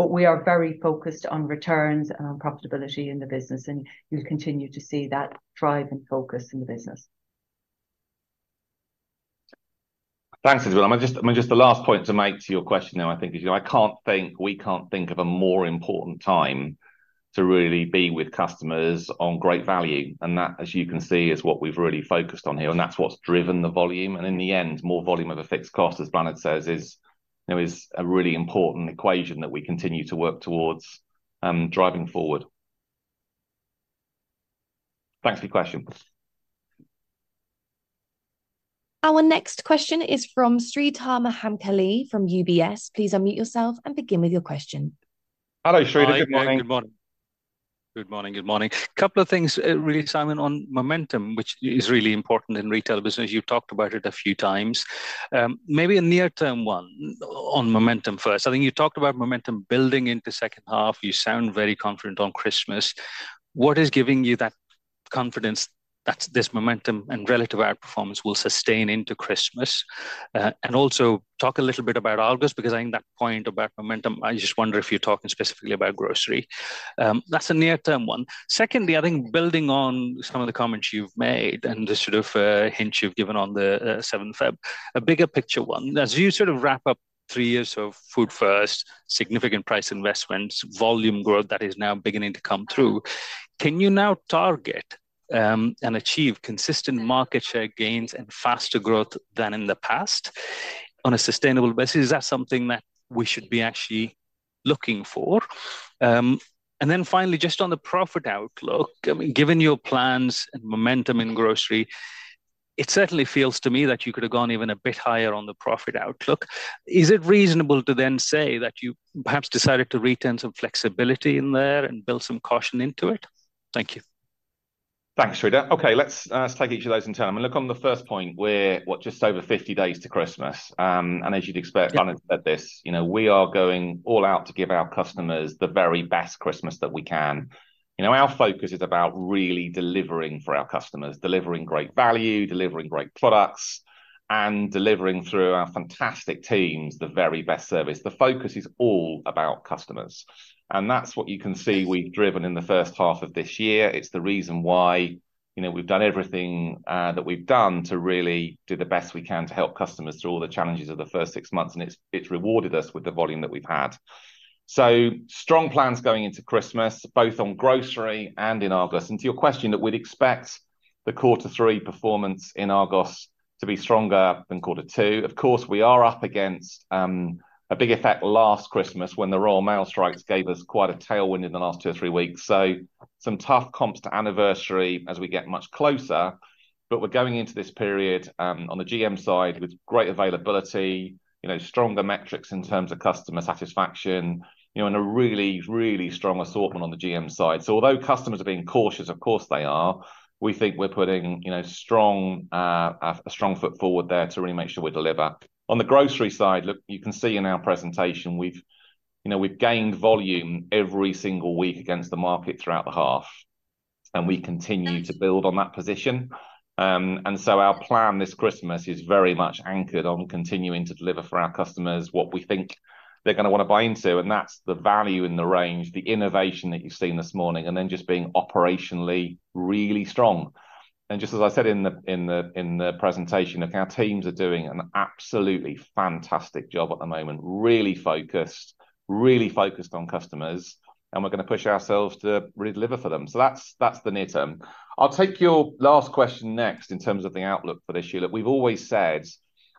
We are very focused on returns and on profitability in the business, and you'll continue to see that drive and focus in the business. Thanks, Isabella. I mean, just the last point to make to your question now, I think is, you know, I can't think, we can't think of a more important time to really be with customers on great value, and that, as you can see, is what we've really focused on here, and that's what's driven the volume. And in the end, more volume of a fixed cost, as Bláthnaid says, is, you know, is a really important equation that we continue to work towards driving forward. Thanks for your question. Our next question is from Sreedhar Mahamkali from UBS. Please unmute yourself and begin with your question. Hello, Sreedhar. Good morning. Good morning, good morning. A couple of things, really, Simon, on momentum, which is really important in retail business. You've talked about it a few times. Maybe a near-term one on momentum first. I think you talked about momentum building into second half. You sound very confident on Christmas. What is giving you that confidence that this momentum and relative outperformance will sustain into Christmas? And also, talk a little bit about August, because I think that point about momentum, I just wonder if you're talking specifically about grocery. That's a near-term one. Secondly, I think building on some of the comments you've made and the sort of hint you've given on the seventh February, a bigger picture one. As you sort of wrap up three years of Food First, significant price investments, volume growth that is now beginning to come through, can you now target, and achieve consistent market share gains and faster growth than in the past on a sustainable basis? Is that something that we should be actually looking for? And then finally, just on the profit outlook, I mean, given your plans and momentum in grocery, it certainly feels to me that you could have gone even a bit higher on the profit outlook. Is it reasonable to then say that you perhaps decided to retain some flexibility in there and build some caution into it? Thank you. Thanks, Sreedhar. Okay, let's take each of those in turn. I mean, look, on the first point, we're, what, just over 50 days to Christmas. And as you'd expect, at this, you know, we are going all out to give our customers the very best Christmas that we can. You know, our focus is about really delivering for our customers, delivering great value, delivering great products, and delivering through our fantastic teams, the very best service. The focus is all about customers, and that's what you can see we've driven in the first half of this year. It's the reason why, you know, we've done everything that we've done to really do the best we can to help customers through all the challenges of the first six months, and it's rewarded us with the volume that we've had. So strong plans going into Christmas, both on grocery and in Argos. And to your question, that we'd expect the quarter three performance in Argos to be stronger than quarter two. Of course, we are up against a big effect last Christmas, when the Royal Mail strikes gave us quite a tailwind in the last two or three weeks. So some tough comps to anniversary as we get much closer, but we're going into this period on the GM side, with great availability, you know, stronger metrics in terms of customer satisfaction, you know, and a really, really strong assortment on the GM side. So although customers are being cautious, of course, they are, we think we're putting, you know, strong, a strong foot forward there to really make sure we deliver. On the grocery side, look, you can see in our presentation, we've, you know, we've gained volume every single week against the market throughout the half, and we continue to build on that position. And so our plan this Christmas is very much anchored on continuing to deliver for our customers what we think they're gonna want to buy into, and that's the value in the range, the innovation that you've seen this morning, and then just being operationally, really strong. And just as I said in the, in the, in the presentation, look, our teams are doing an absolutely fantastic job at the moment. Really focused, really focused on customers, and we're gonna push ourselves to really deliver for them. So that's, that's the near term. I'll take your last question next in terms of the outlook for this year. Look, we've always said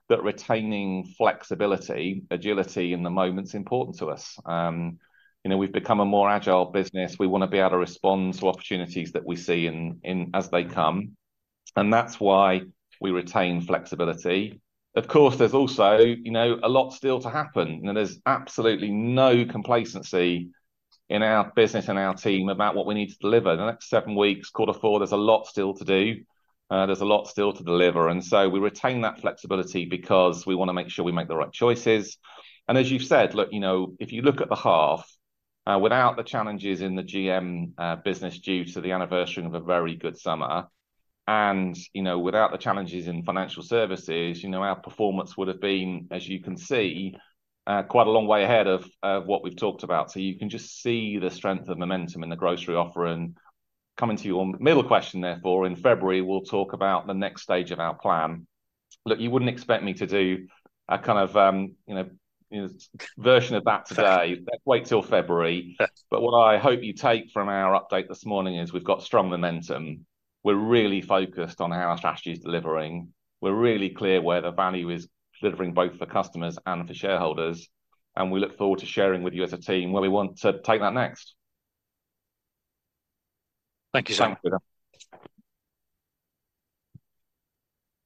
that retaining flexibility, agility in the moment is important to us. You know, we've become a more agile business. We want to be able to respond to opportunities that we see in as they come, and that's why we retain flexibility. Of course, there's also, you know, a lot still to happen, and there's absolutely no complacency in our business and our team about what we need to deliver. The next seven weeks, quarter four, there's a lot still to do, there's a lot still to deliver, and so we retain that flexibility because we want to make sure we make the right choices. As you've said, look, you know, if you look at the half without the challenges in the GM business, due to the anniversary of a very good summer, and you know, without the challenges in financial services, you know, our performance would have been, as you can see, quite a long way ahead of what we've talked about. So you can just see the strength of momentum in the grocery offer and coming to your middle question, therefore, in February, we'll talk about the next stage of our plan. Look, you wouldn't expect me to do a kind of, you know, version of that today. Wait till February. But what I hope you take from our update this morning is we've got strong momentum. We're really focused on how our strategy is delivering. We're really clear where the value is delivering, both for customers and for shareholders, and we look forward to sharing with you as a team where we want to take that next. Thank you, sir....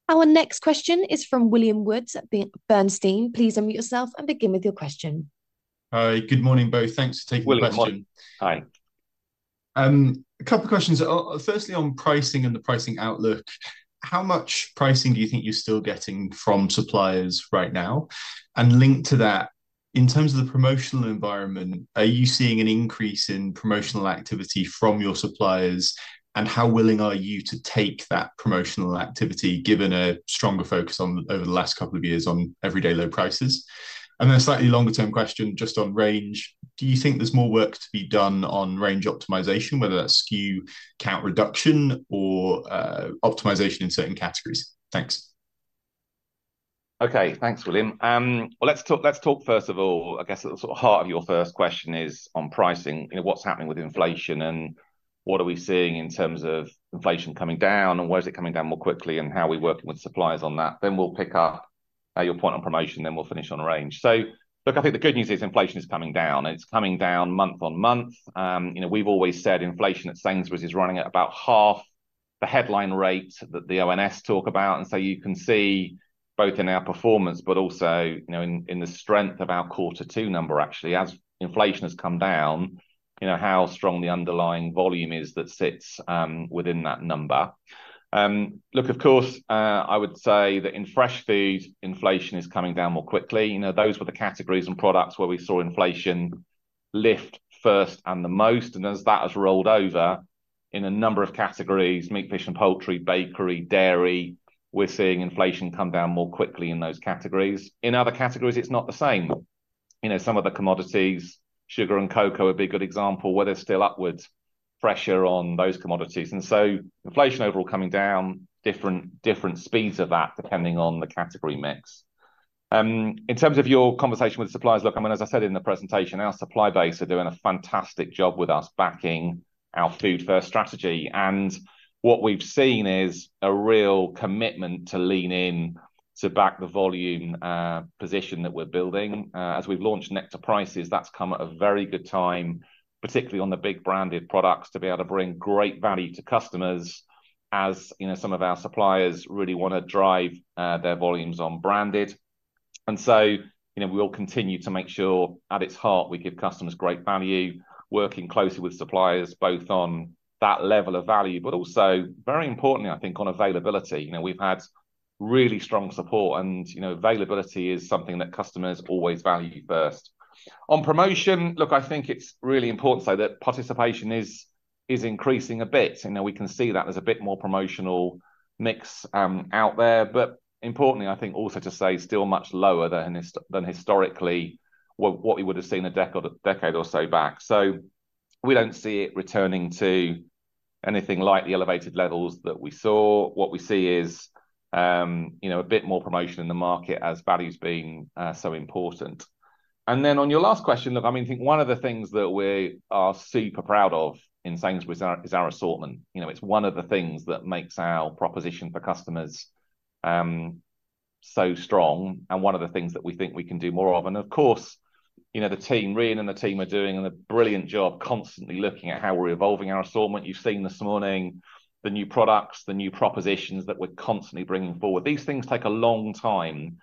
Our next question is from William Woods at Bernstein. Please unmute yourself and begin with your question. Hi, good morning, both. Thanks for taking the question. William, good morning. Hi. A couple of questions. Firstly, on pricing and the pricing outlook, how much pricing do you think you're still getting from suppliers right now? And linked to that, in terms of the promotional environment, are you seeing an increase in promotional activity from your suppliers? And how willing are you to take that promotional activity, given a stronger focus on, over the last couple of years, on everyday low prices? And then a slightly longer-term question just on range: Do you think there's more work to be done on range optimization, whether that's SKU count reduction or, optimization in certain categories? Thanks. Okay. Thanks, William. Well, let's talk, first of all, I guess the sort of heart of your first question is on pricing. You know, what's happening with inflation, and what are we seeing in terms of inflation coming down, and where is it coming down more quickly, and how are we working with suppliers on that? Then we'll pick up your point on promotion, and then we'll finish on range. So look, I think the good news is inflation is coming down, and it's coming down month on month. You know, we've always said inflation at Sainsbury's is running at about half the headline rate that the ONS talk about. And so you can see, both in our performance, but also, you know, in, in the strength of our quarter two number actually, as inflation has come down, you know, how strong the underlying volume is that sits within that number. Look, of course, I would say that in fresh food, inflation is coming down more quickly. You know, those were the categories and products where we saw inflation lift first and the most, and as that has rolled over in a number of categories, meat, fish, and poultry, bakery, dairy, we're seeing inflation come down more quickly in those categories. In other categories, it's not the same. You know, some of the commodities, sugar and cocoa would be a good example, where there's still upwards pressure on those commodities, and so inflation overall coming down at different speeds, depending on the category mix. In terms of your conversation with suppliers, look, I mean, as I said in the presentation, our supply base are doing a fantastic job with us, backing our Food First strategy. And what we've seen is a real commitment to lean in to back the volume position that we're building. As we've launched Nectar Prices, that's come at a very good time, particularly on the big branded products, to be able to bring great value to customers, as, you know, some of our suppliers really want to drive their volumes on branded. And so, you know, we will continue to make sure, at its heart, we give customers great value, working closely with suppliers, both on that level of value, but also, very importantly, I think on availability. You know, we've had really strong support, and, you know, availability is something that customers always value first. On promotion, look, I think it's really important, so that participation is increasing a bit, and we can see that there's a bit more promotional mix out there. But importantly, I think also to say it's still much lower than historically what we would have seen a decade or so back. So we don't see it returning to anything like the elevated levels that we saw. what we see is, you know, a bit more promotion in the market as values being so important. And then on your last question, look, I mean, I think one of the things that we are super proud of in Sainsbury's is our assortment. You know, it's one of the things that makes our proposition for customers so strong and one of the things that we think we can do more of. Of course, you know, the team, Rhian and the team are doing a brilliant job, constantly looking at how we're evolving our assortment. You've seen this morning the new products, the new propositions that we're constantly bringing forward. These things take a long time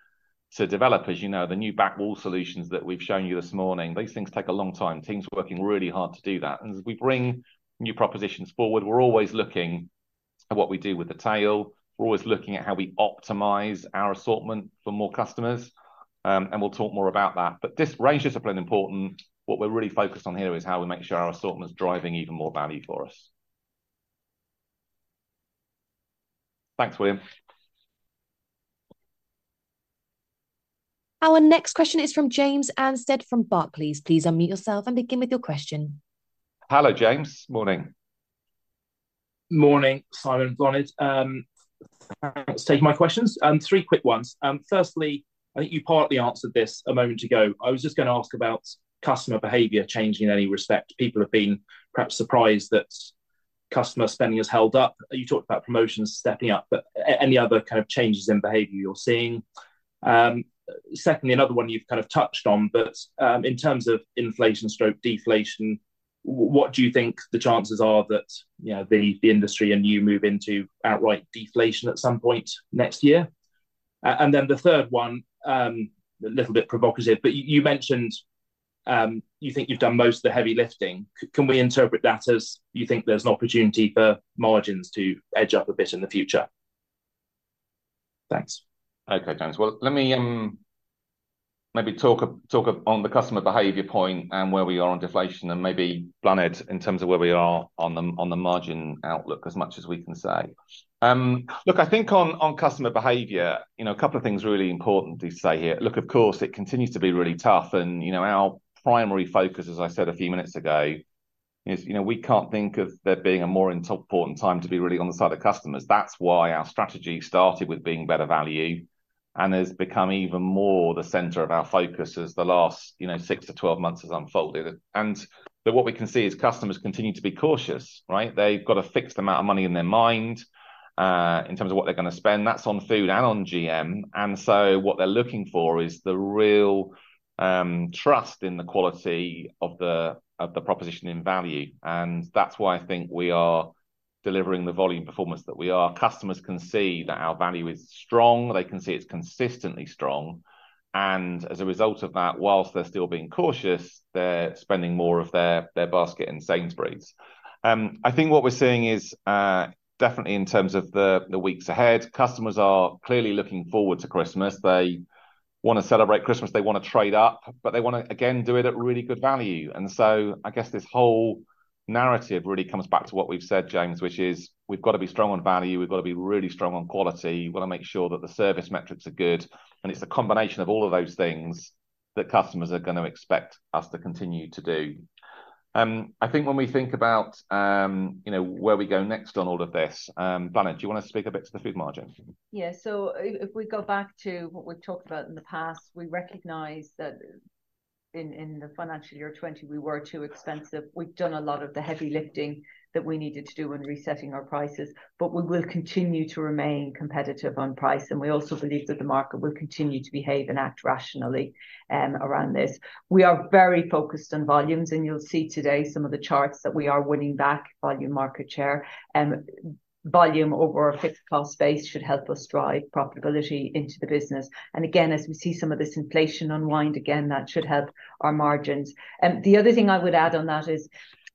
to develop, as you know. The new back wall solutions that we've shown you this morning, these things take a long time. Team's working really hard to do that. As we bring new propositions forward, we're always looking at what we do with the tail, we're always looking at how we optimize our assortment for more customers, and we'll talk more about that. But this range discipline is important. What we're really focused on here is how we make sure our assortment is driving even more value for us. Thanks, William. Our next question is from James Anstead from Barclays. Please unmute yourself and begin with your question. Hello, James. Morning. Morning, Simon, Bláthnaid. Thanks for taking my questions. Three quick ones. Firstly, I think you partly answered this a moment ago. I was just gonna ask about customer behavior changing in any respect. People have been perhaps surprised that customer spending has held up. You talked about promotions stepping up, but any other kind of changes in behavior you're seeing? Secondly, another one you've kind of touched on, but in terms of inflation stroke deflation, what do you think the chances are that, you know, the industry and you move into outright deflation at some point next year? And then the third one, a little bit provocative, but you mentioned you think you've done most of the heavy lifting. Can we interpret that as you think there's an opportunity for margins to edge up a bit in the future? Thanks. Okay, James. Well, let me maybe talk on the customer behavior point and where we are on deflation, and maybe, Bláthnaid, in terms of where we are on the margin outlook, as much as we can say. Look, I think on customer behavior, you know, a couple of things really important to say here. Look, of course, it continues to be really tough, and, you know, our primary focus, as I said a few minutes ago, is, you know, we can't think of there being a more important time to be really on the side of customers. That's why our strategy started with being better value and has become even more the center of our focus as the last, you know, six to 12 months has unfolded. But what we can see is customers continue to be cautious, right? They've got a fixed amount of money in their mind, in terms of what they're gonna spend, that's on food and on GM. And so what they're looking for is the real trust in the quality of the proposition in value, and that's why I think we are delivering the volume performance that we are, customers can see that our value is strong, they can see it's consistently strong. And as a result of that, whilst they're still being cautious, they're spending more of their basket in Sainsbury's. I think what we're seeing is definitely in terms of the weeks ahead, customers are clearly looking forward to Christmas. They want to celebrate Christmas, they want to trade up, but they want to, again, do it at really good value. And so I guess this whole narrative really comes back to what we've said, James, which is we've got to be strong on value, we've got to be really strong on quality. We've got to make sure that the service metrics are good, and it's a combination of all of those things that customers are going to expect us to continue to do. I think when we think about, you know, where we go next on all of this, Bláthnaid, do you want to speak a bit to the food margin? Yeah. So if we go back to what we've talked about in the past, we recognize that in the financial year 2020, we were too expensive. We've done a lot of the heavy lifting that we needed to do when resetting our prices, but we will continue to remain competitive on price, and we also believe that the market will continue to behave and act rationally around this. We are very focused on volumes, and you'll see today some of the charts that we are winning back volume market share, and volume over our fixed cost base should help us drive profitability into the business. And again, as we see some of this inflation unwind, again, that should help our margins. The other thing I would add on that is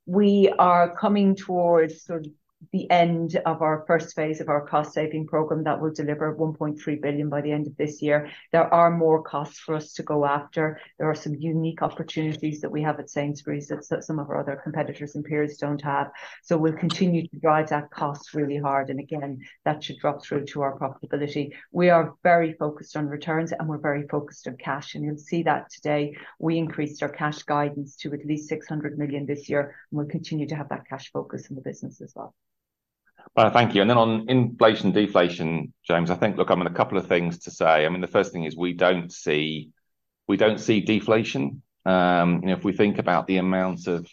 we are coming towards sort of the end of our first phase of our cost saving program that will deliver 1.3 billion by the end of this year. There are more costs for us to go after. There are some unique opportunities that we have at Sainsbury's that some of our other competitors and peers don't have. So we'll continue to drive that cost really hard, and again, that should drop through to our profitability. We are very focused on returns, and we're very focused on cash, and you'll see that today. We increased our cash guidance to at least 600 million this year, and we'll continue to have that cash focus in the business as well. Well, thank you. Then on inflation, deflation, James, I think, look, I mean, a couple of things to say. I mean, the first thing is we don't see, we don't see deflation. You know, if we think about the amount of,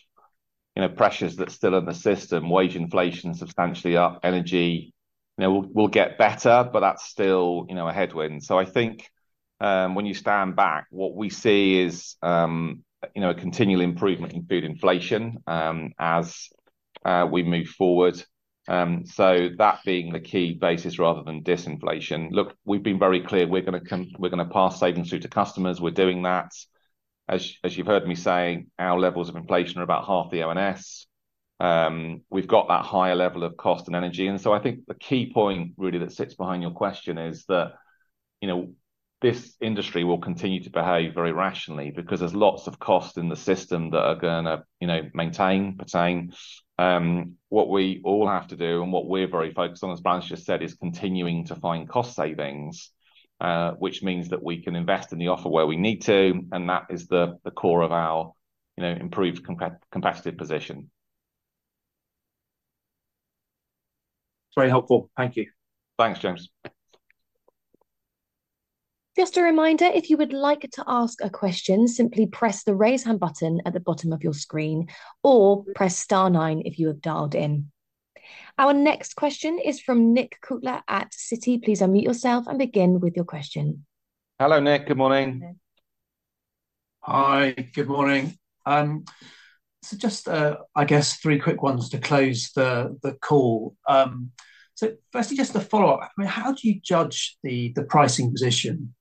you know, pressures that's still in the system, wage inflation is substantially up, energy, you know, will, will get better, but that's still, you know, a headwind. So I think, when you stand back, what we see is, you know, a continual improvement in food inflation, as we move forward. So that being the key basis rather than disinflation. Look, we've been very clear, we're gonna com- we're gonna pass savings through to customers. We're doing that. As you've heard me saying, our levels of inflation are about half the ONS. We've got that higher level of cost and energy, and so I think the key point really that sits behind your question is that, you know, this industry will continue to behave very rationally because there's lots of cost in the system that are gonna, you know, maintain, pertain. What we all have to do, and what we're very focused on, as Bláthnaid just said, is continuing to find cost savings, which means that we can invest in the offer where we need to, and that is the core of our, you know, improved competitive position. Very helpful. Thank you. Thanks, James. Just a reminder, if you would like to ask a question, simply press the Raise Hand button at the bottom of your screen or press star nine if you have dialed in. Our next question is from Nick Coulter at Citi. Please unmute yourself and begin with your question. Hello, Nick. Good morning. Hi, good morning. So just, I guess three quick ones to close the call. So firstly, just to follow up, I mean, how do you judge the pricing position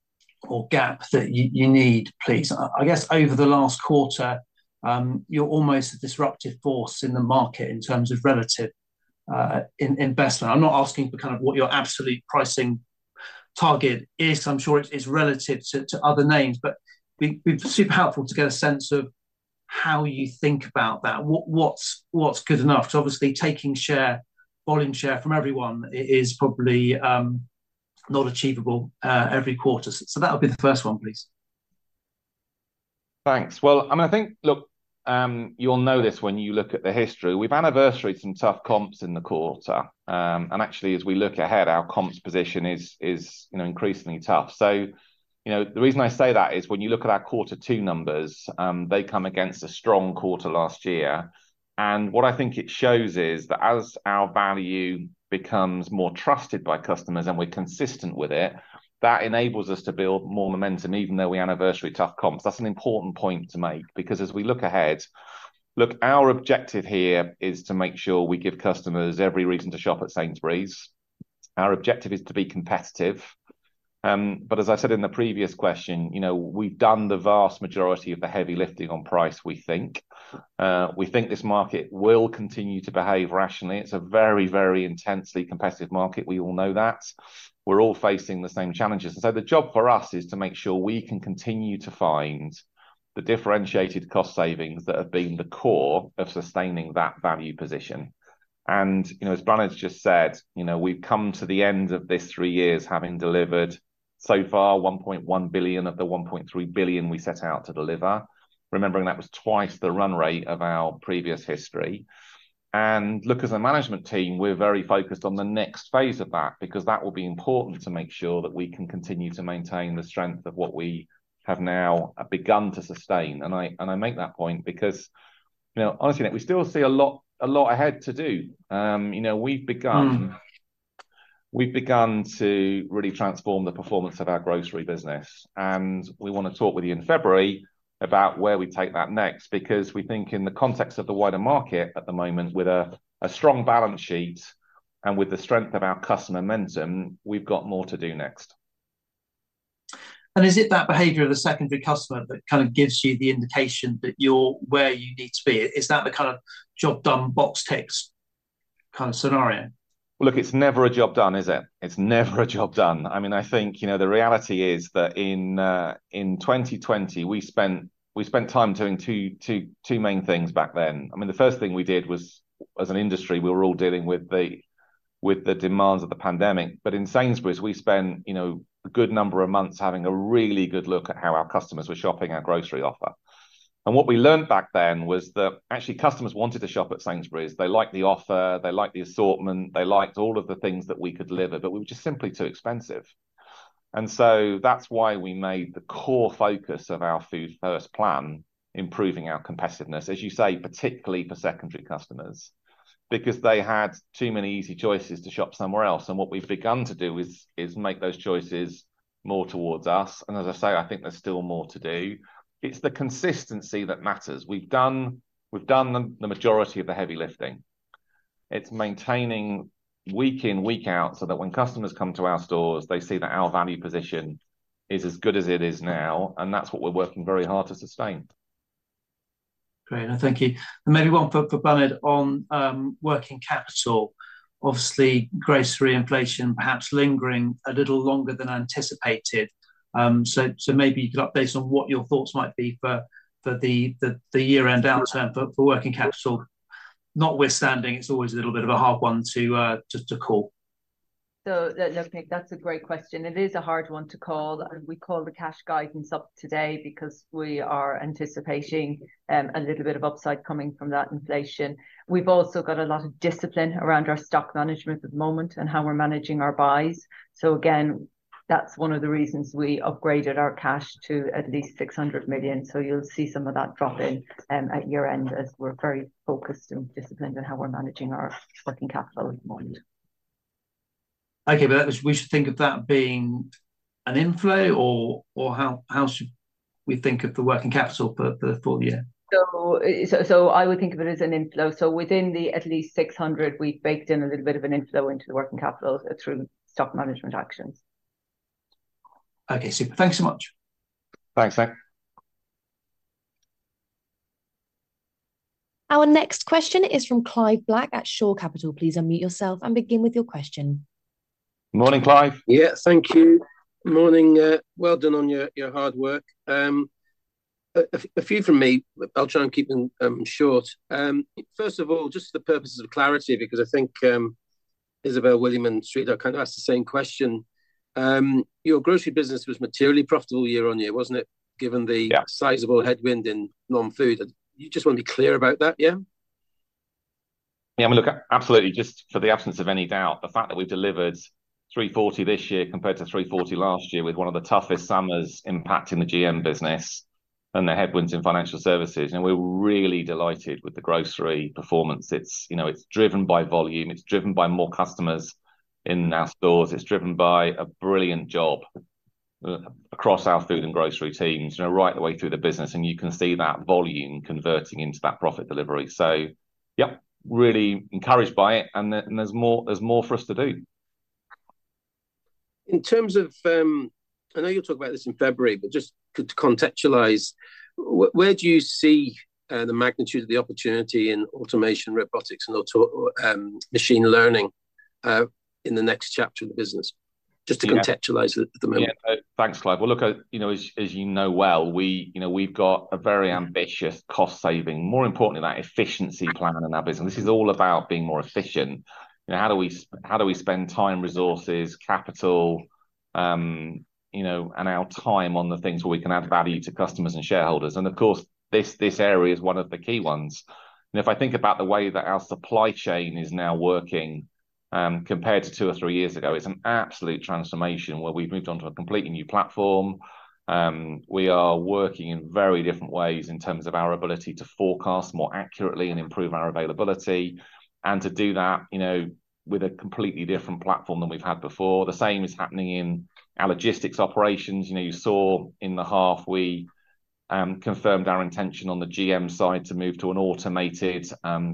or gap that you need, please? I guess over the last quarter, you're almost a disruptive force in the market in terms of relative investment. I'm not asking for kind of what your absolute pricing target is. I'm sure it is relative to other names, but it'd be super helpful to get a sense of how you think about that. What's good enough? So obviously, taking share, volume share from everyone is probably not achievable every quarter. So that would be the first one, please. Thanks. Well, I mean, I think, look, you'll know this when you look at the history. We've anniversaried some tough comps in the quarter, and actually, as we look ahead, our comps position is, you know, increasingly tough. So, you know, the reason I say that is when you look at our quarter two numbers, they come against a strong quarter last year. What I think it shows is that as our value becomes more trusted by customers and we're consistent with it, that enables us to build more momentum, even though we anniversary tough comps. That's an important point to make, because as we look ahead, look, our objective here is to make sure we give customers every reason to shop at Sainsbury's. Our objective is to be competitive. But as I said in the previous question, you know, we've done the vast majority of the heavy lifting on price, we think. We think this market will continue to behave rationally. It's a very, very intensely competitive market. We all know that. We're all facing the same challenges, and so the job for us is to make sure we can continue to find the differentiated cost savings that have been the core of sustaining that value position. And, you know, as Bláthnaid has just said, you know, we've come to the end of this three years having delivered so far 1.1 billion of the 1.3 billion we set out to deliver, remembering that was twice the run rate of our previous history. And look, as a management team, we're very focused on the next phase of that, because that will be important to make sure that we can continue to maintain the strength of what we have now begun to sustain. And I make that point because, you know, honestly, Nick, we still see a lot, a lot ahead to do. You know, we've begun to really transform the performance of our grocery business, and we want to talk with you in February about where we take that next, because we think in the context of the wider market at the moment, with a strong balance sheet and with the strength of our customer momentum, we've got more to do next. Is it that behavior of the secondary customer that kind of gives you the indication that you're where you need to be? Is that the kind of job done, box ticked kind of scenario? Look, it's never a job done, is it? It's never a job done. I mean, I think, you know, the reality is that in 2020 we spent time doing two main things back then. I mean, the first thing we did was, as an industry, we were all dealing with the demands of the pandemic. But in Sainsbury's, we spent, you know, a good number of months having a really good look at how our customers were shopping our grocery offer. And what we learned back then was that actually customers wanted to shop at Sainsbury's. They liked the offer, they liked the assortment, they liked all of the things that we could deliver, but we were just simply too expensive. So that's why we made the core focus of our Food First plan, improving our competitiveness, as you say, particularly for secondary customers, because they had too many easy choices to shop somewhere else. What we've begun to do is make those choices more towards us. And as I say, I think there's still more to do. It's the consistency that matters. We've done the majority of the heavy lifting. It's maintaining week in, week out, so that when customers come to our stores, they see that our value position is as good as it is now, and that's what we're working very hard to sustain. Great, thank you. And maybe one for Bláthnaid on working capital. Obviously, grocery inflation perhaps lingering a little longer than anticipated. So maybe you could update us on what your thoughts might be for the year-end outlook for working capital. Notwithstanding, it's always a little bit of a hard one to call. So look, Nick, that's a great question. It is a hard one to call, and we called the cash guidance up today because we are anticipating, a little bit of upside coming from that inflation. We've also got a lot of discipline around our stock management at the moment and how we're managing our buys. So again, that's one of the reasons we upgraded our cash to at least 600 million. So you'll see some of that drop in, at year-end, as we're very focused and disciplined in how we're managing our working capital at the moment. Okay, but that was—we should think of that being an inflow, or, how should we think of the working capital for the full year? I would think of it as an inflow. Within the at least 600, we've baked in a little bit of an inflow into the working capital through stock management actions. Okay, super. Thanks so much. Thanks, Nick. Our next question is from Clive Black at Shore Capital. Please unmute yourself and begin with your question. Morning, Clive. Yeah. Thank you. Morning. Well done on your, your hard work. A few from me. I'll try and keep them short. First of all, just for the purposes of clarity, because I think Izabel, William, and Sreedhar kind of asked the same question. Your grocery business was materially profitable year on year, wasn't it, given the- Yeah... sizable headwind in non-food? You just want to be clear about that, yeah? Yeah, look, absolutely. Just for the absence of any doubt, the fact that we've delivered 340 this year compared to 340 last year, with one of the toughest summers impacting the GM business and the headwinds in financial services, and we're really delighted with the grocery performance. It's, you know, it's driven by volume, it's driven by more customers in our stores. It's driven by a brilliant job across our food and grocery teams, you know, right the way through the business, and you can see that volume converting into that profit delivery. So, yeah, really encouraged by it, and there, and there's more, there's more for us to do. In terms of, I know you'll talk about this in February, but just to contextualize, where do you see the magnitude of the opportunity in automation, robotics and auto machine learning in the next chapter of the business? Yeah. Just to contextualize at the moment. Yeah. Thanks, Clive. Well, look, you know, as you, as you know well, we, you know, we've got a very ambitious cost saving, more importantly, that efficiency plan in our business. This is all about being more efficient. You know, how do we, how do we spend time, resources, capital, you know, and our time on the things where we can add value to customers and shareholders? And of course, this, this area is one of the key ones. And if I think about the way that our supply chain is now working, compared to two or three years ago, it's an absolute transformation where we've moved on to a completely new platform. We are working in very different ways in terms of our ability to forecast more accurately and improve our availability, and to do that, you know, with a completely different platform than we've had before. The same is happening in our logistics operations. You know, you saw in the half we confirmed our intention on the GM side to move to an automated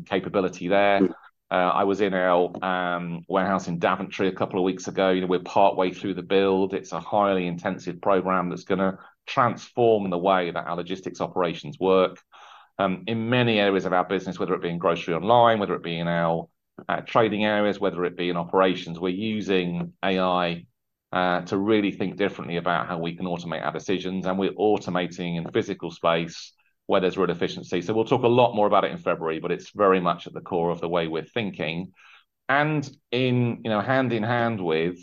capability there. I was in our warehouse in Daventry a couple of weeks ago. You know, we're partway through the build. It's a highly intensive program that's going to transform the way that our logistics operations work. In many areas of our business, whether it be in grocery, online, whether it be in our trading areas, whether it be in operations. We're using AI to really think differently about how we can automate our decisions, and we're automating in physical space where there's real efficiency. So we'll talk a lot more about it in February, but it's very much at the core of the way we're thinking. And in, you know, hand in hand with,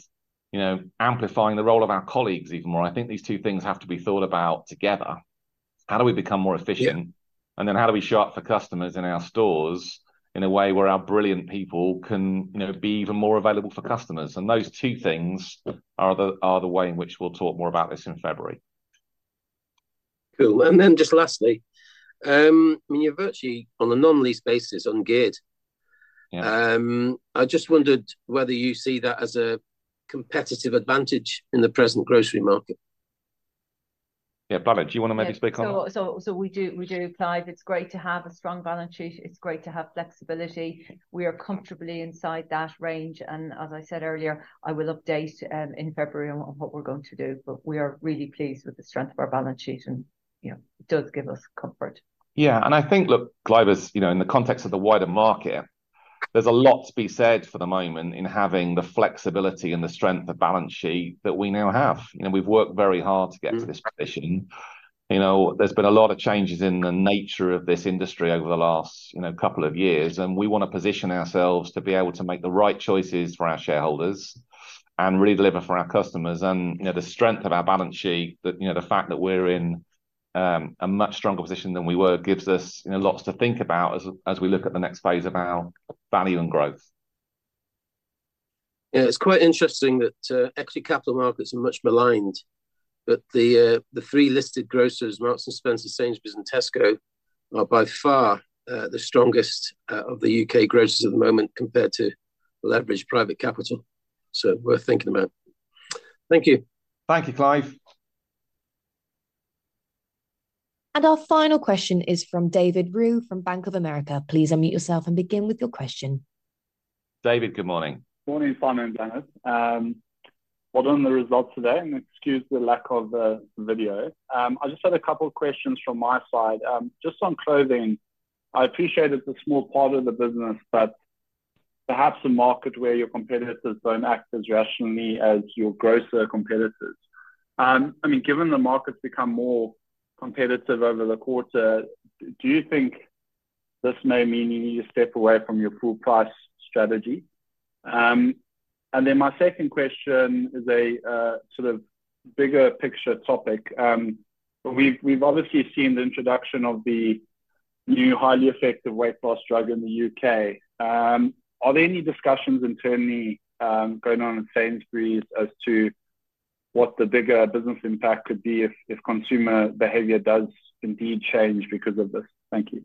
you know, amplifying the role of our colleagues even more. I think these two things have to be thought about together. How do we become more efficient? Yeah. And then how do we show up for customers in our stores in a way where our brilliant people can, you know, be even more available for customers? And those two things are the way in which we'll talk more about this in February. ... Cool, and then just lastly, I mean, you're virtually on a non-lease basis on net debt. Yeah. I just wondered whether you see that as a competitive advantage in the present grocery market? Yeah, Bláthnaid, do you want to maybe speak on that? So we do, Clive. It's great to have a strong balance sheet. It's great to have flexibility. We are comfortably inside that range, and as I said earlier, I will update in February on what we're going to do, but we are really pleased with the strength of our balance sheet, and, you know, it does give us comfort. Yeah, and I think, look, Clive, as you know, in the context of the wider market, there's a lot to be said for the moment in having the flexibility and the strength of balance sheet that we now have. You know, we've worked very hard to get to this position. You know, there's been a lot of changes in the nature of this industry over the last, you know, couple of years, and we want to position ourselves to be able to make the right choices for our shareholders and really deliver for our customers. And, you know, the strength of our balance sheet, that, you know, the fact that we're in a much stronger position than we were gives us, you know, lots to think about as we look at the next phase of our value and growth. Yeah, it's quite interesting that, actually, capital markets are much maligned, but the three listed grocers, Marks and Spencer, Sainsbury's, and Tesco, are by far the strongest of the U.K. grocers at the moment compared to leveraged private capital. So worth thinking about. Thank you. Thank you, Clive. Our final question is from David Roux from Bank of America. Please unmute yourself and begin with your question. David, good morning. Morning, Simon and Bláthnaid. Well done on the results today, and excuse the lack of video. I just had a couple of questions from my side. Just on clothing, I appreciate it's a small part of the business, but perhaps a market where your competitors don't act as rationally as your grocer competitors. I mean, given the market's become more competitive over the quarter, do you think this may mean you need to step away from your full price strategy? And then my second question is a sort of bigger picture topic. We've, we've obviously seen the introduction of the new highly effective weight loss drug in the U.K. Are there any discussions internally going on in Sainsbury's as to what the bigger business impact could be if consumer behavior does indeed change because of this? Thank you.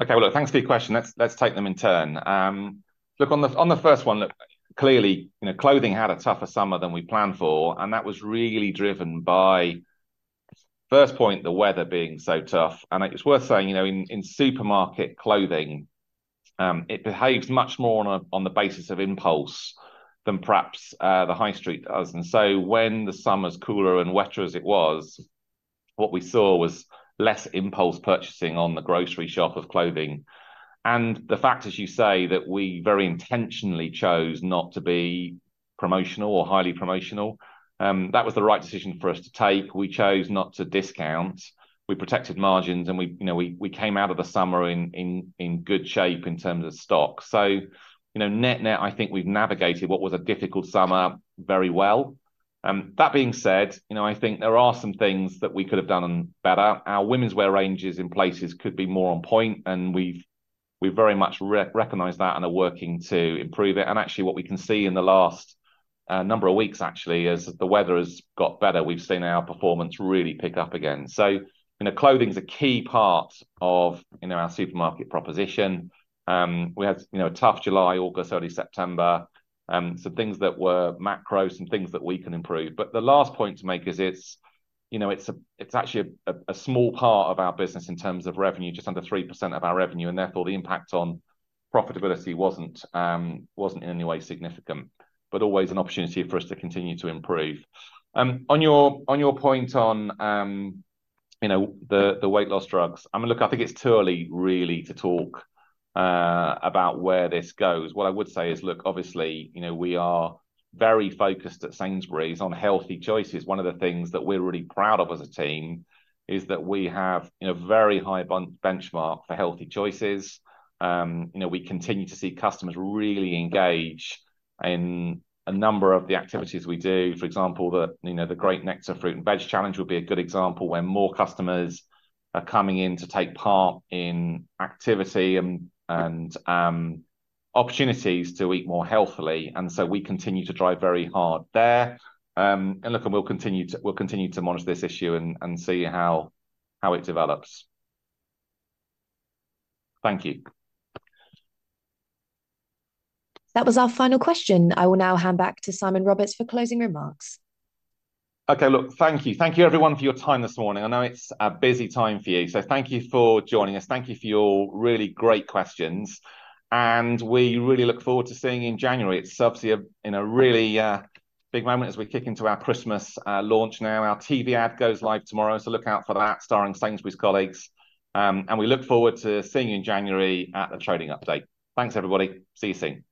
Okay, well, look, thanks for your question. Let's take them in turn. Look, on the first one, look, clearly, you know, clothing had a tougher summer than we planned for, and that was really driven by, first point, the weather being so tough. And it's worth saying, you know, in supermarket clothing, it behaves much more on a basis of impulse than perhaps the high street does. And so when the summer's cooler and wetter as it was, what we saw was less impulse purchasing on the grocery shop of clothing. And the fact, as you say, that we very intentionally chose not to be promotional or highly promotional, that was the right decision for us to take. We chose not to discount. We protected margins, and we, you know, came out of the summer in good shape in terms of stock. So, you know, net-net, I think we've navigated what was a difficult summer very well. That being said, you know, I think there are some things that we could have done better. Our womenswear ranges in places could be more on point, and we've very much recognize that and are working to improve it. And actually, what we can see in the last number of weeks, actually, as the weather has got better, we've seen our performance really pick up again. So, you know, clothing's a key part of, you know, our supermarket proposition. We had, you know, a tough July, August, early September, some things that were macro, some things that we can improve. But the last point to make is it's, you know, it's actually a small part of our business in terms of revenue, just under 3% of our revenue, and therefore, the impact on profitability wasn't in any way significant, but always an opportunity for us to continue to improve. On your point on, you know, the weight loss drugs, I mean, look, I think it's too early, really, to talk about where this goes. What I would say is, look, obviously, you know, we are very focused at Sainsbury's on healthy choices. One of the things that we're really proud of as a team is that we have, you know, a very high benchmark for healthy choices. You know, we continue to see customers really engage in a number of the activities we do. For example, you know, the Great Nectar Fruit and Veg Challenge would be a good example, where more customers are coming in to take part in activity and opportunities to eat more healthily, and so we continue to drive very hard there. And look, we'll continue to monitor this issue and see how it develops. Thank you. That was our final question. I will now hand back to Simon Roberts for closing remarks. Okay, look, thank you. Thank you, everyone, for your time this morning. I know it's a busy time for you, so thank you for joining us. Thank you for your really great questions, and we really look forward to seeing you in January. It's obviously a, in a really, big moment as we kick into our Christmas launch now. Our TV ad goes live tomorrow, so look out for that, starring Sainsbury's colleagues. And we look forward to seeing you in January at the trading update. Thanks, everybody. See you soon.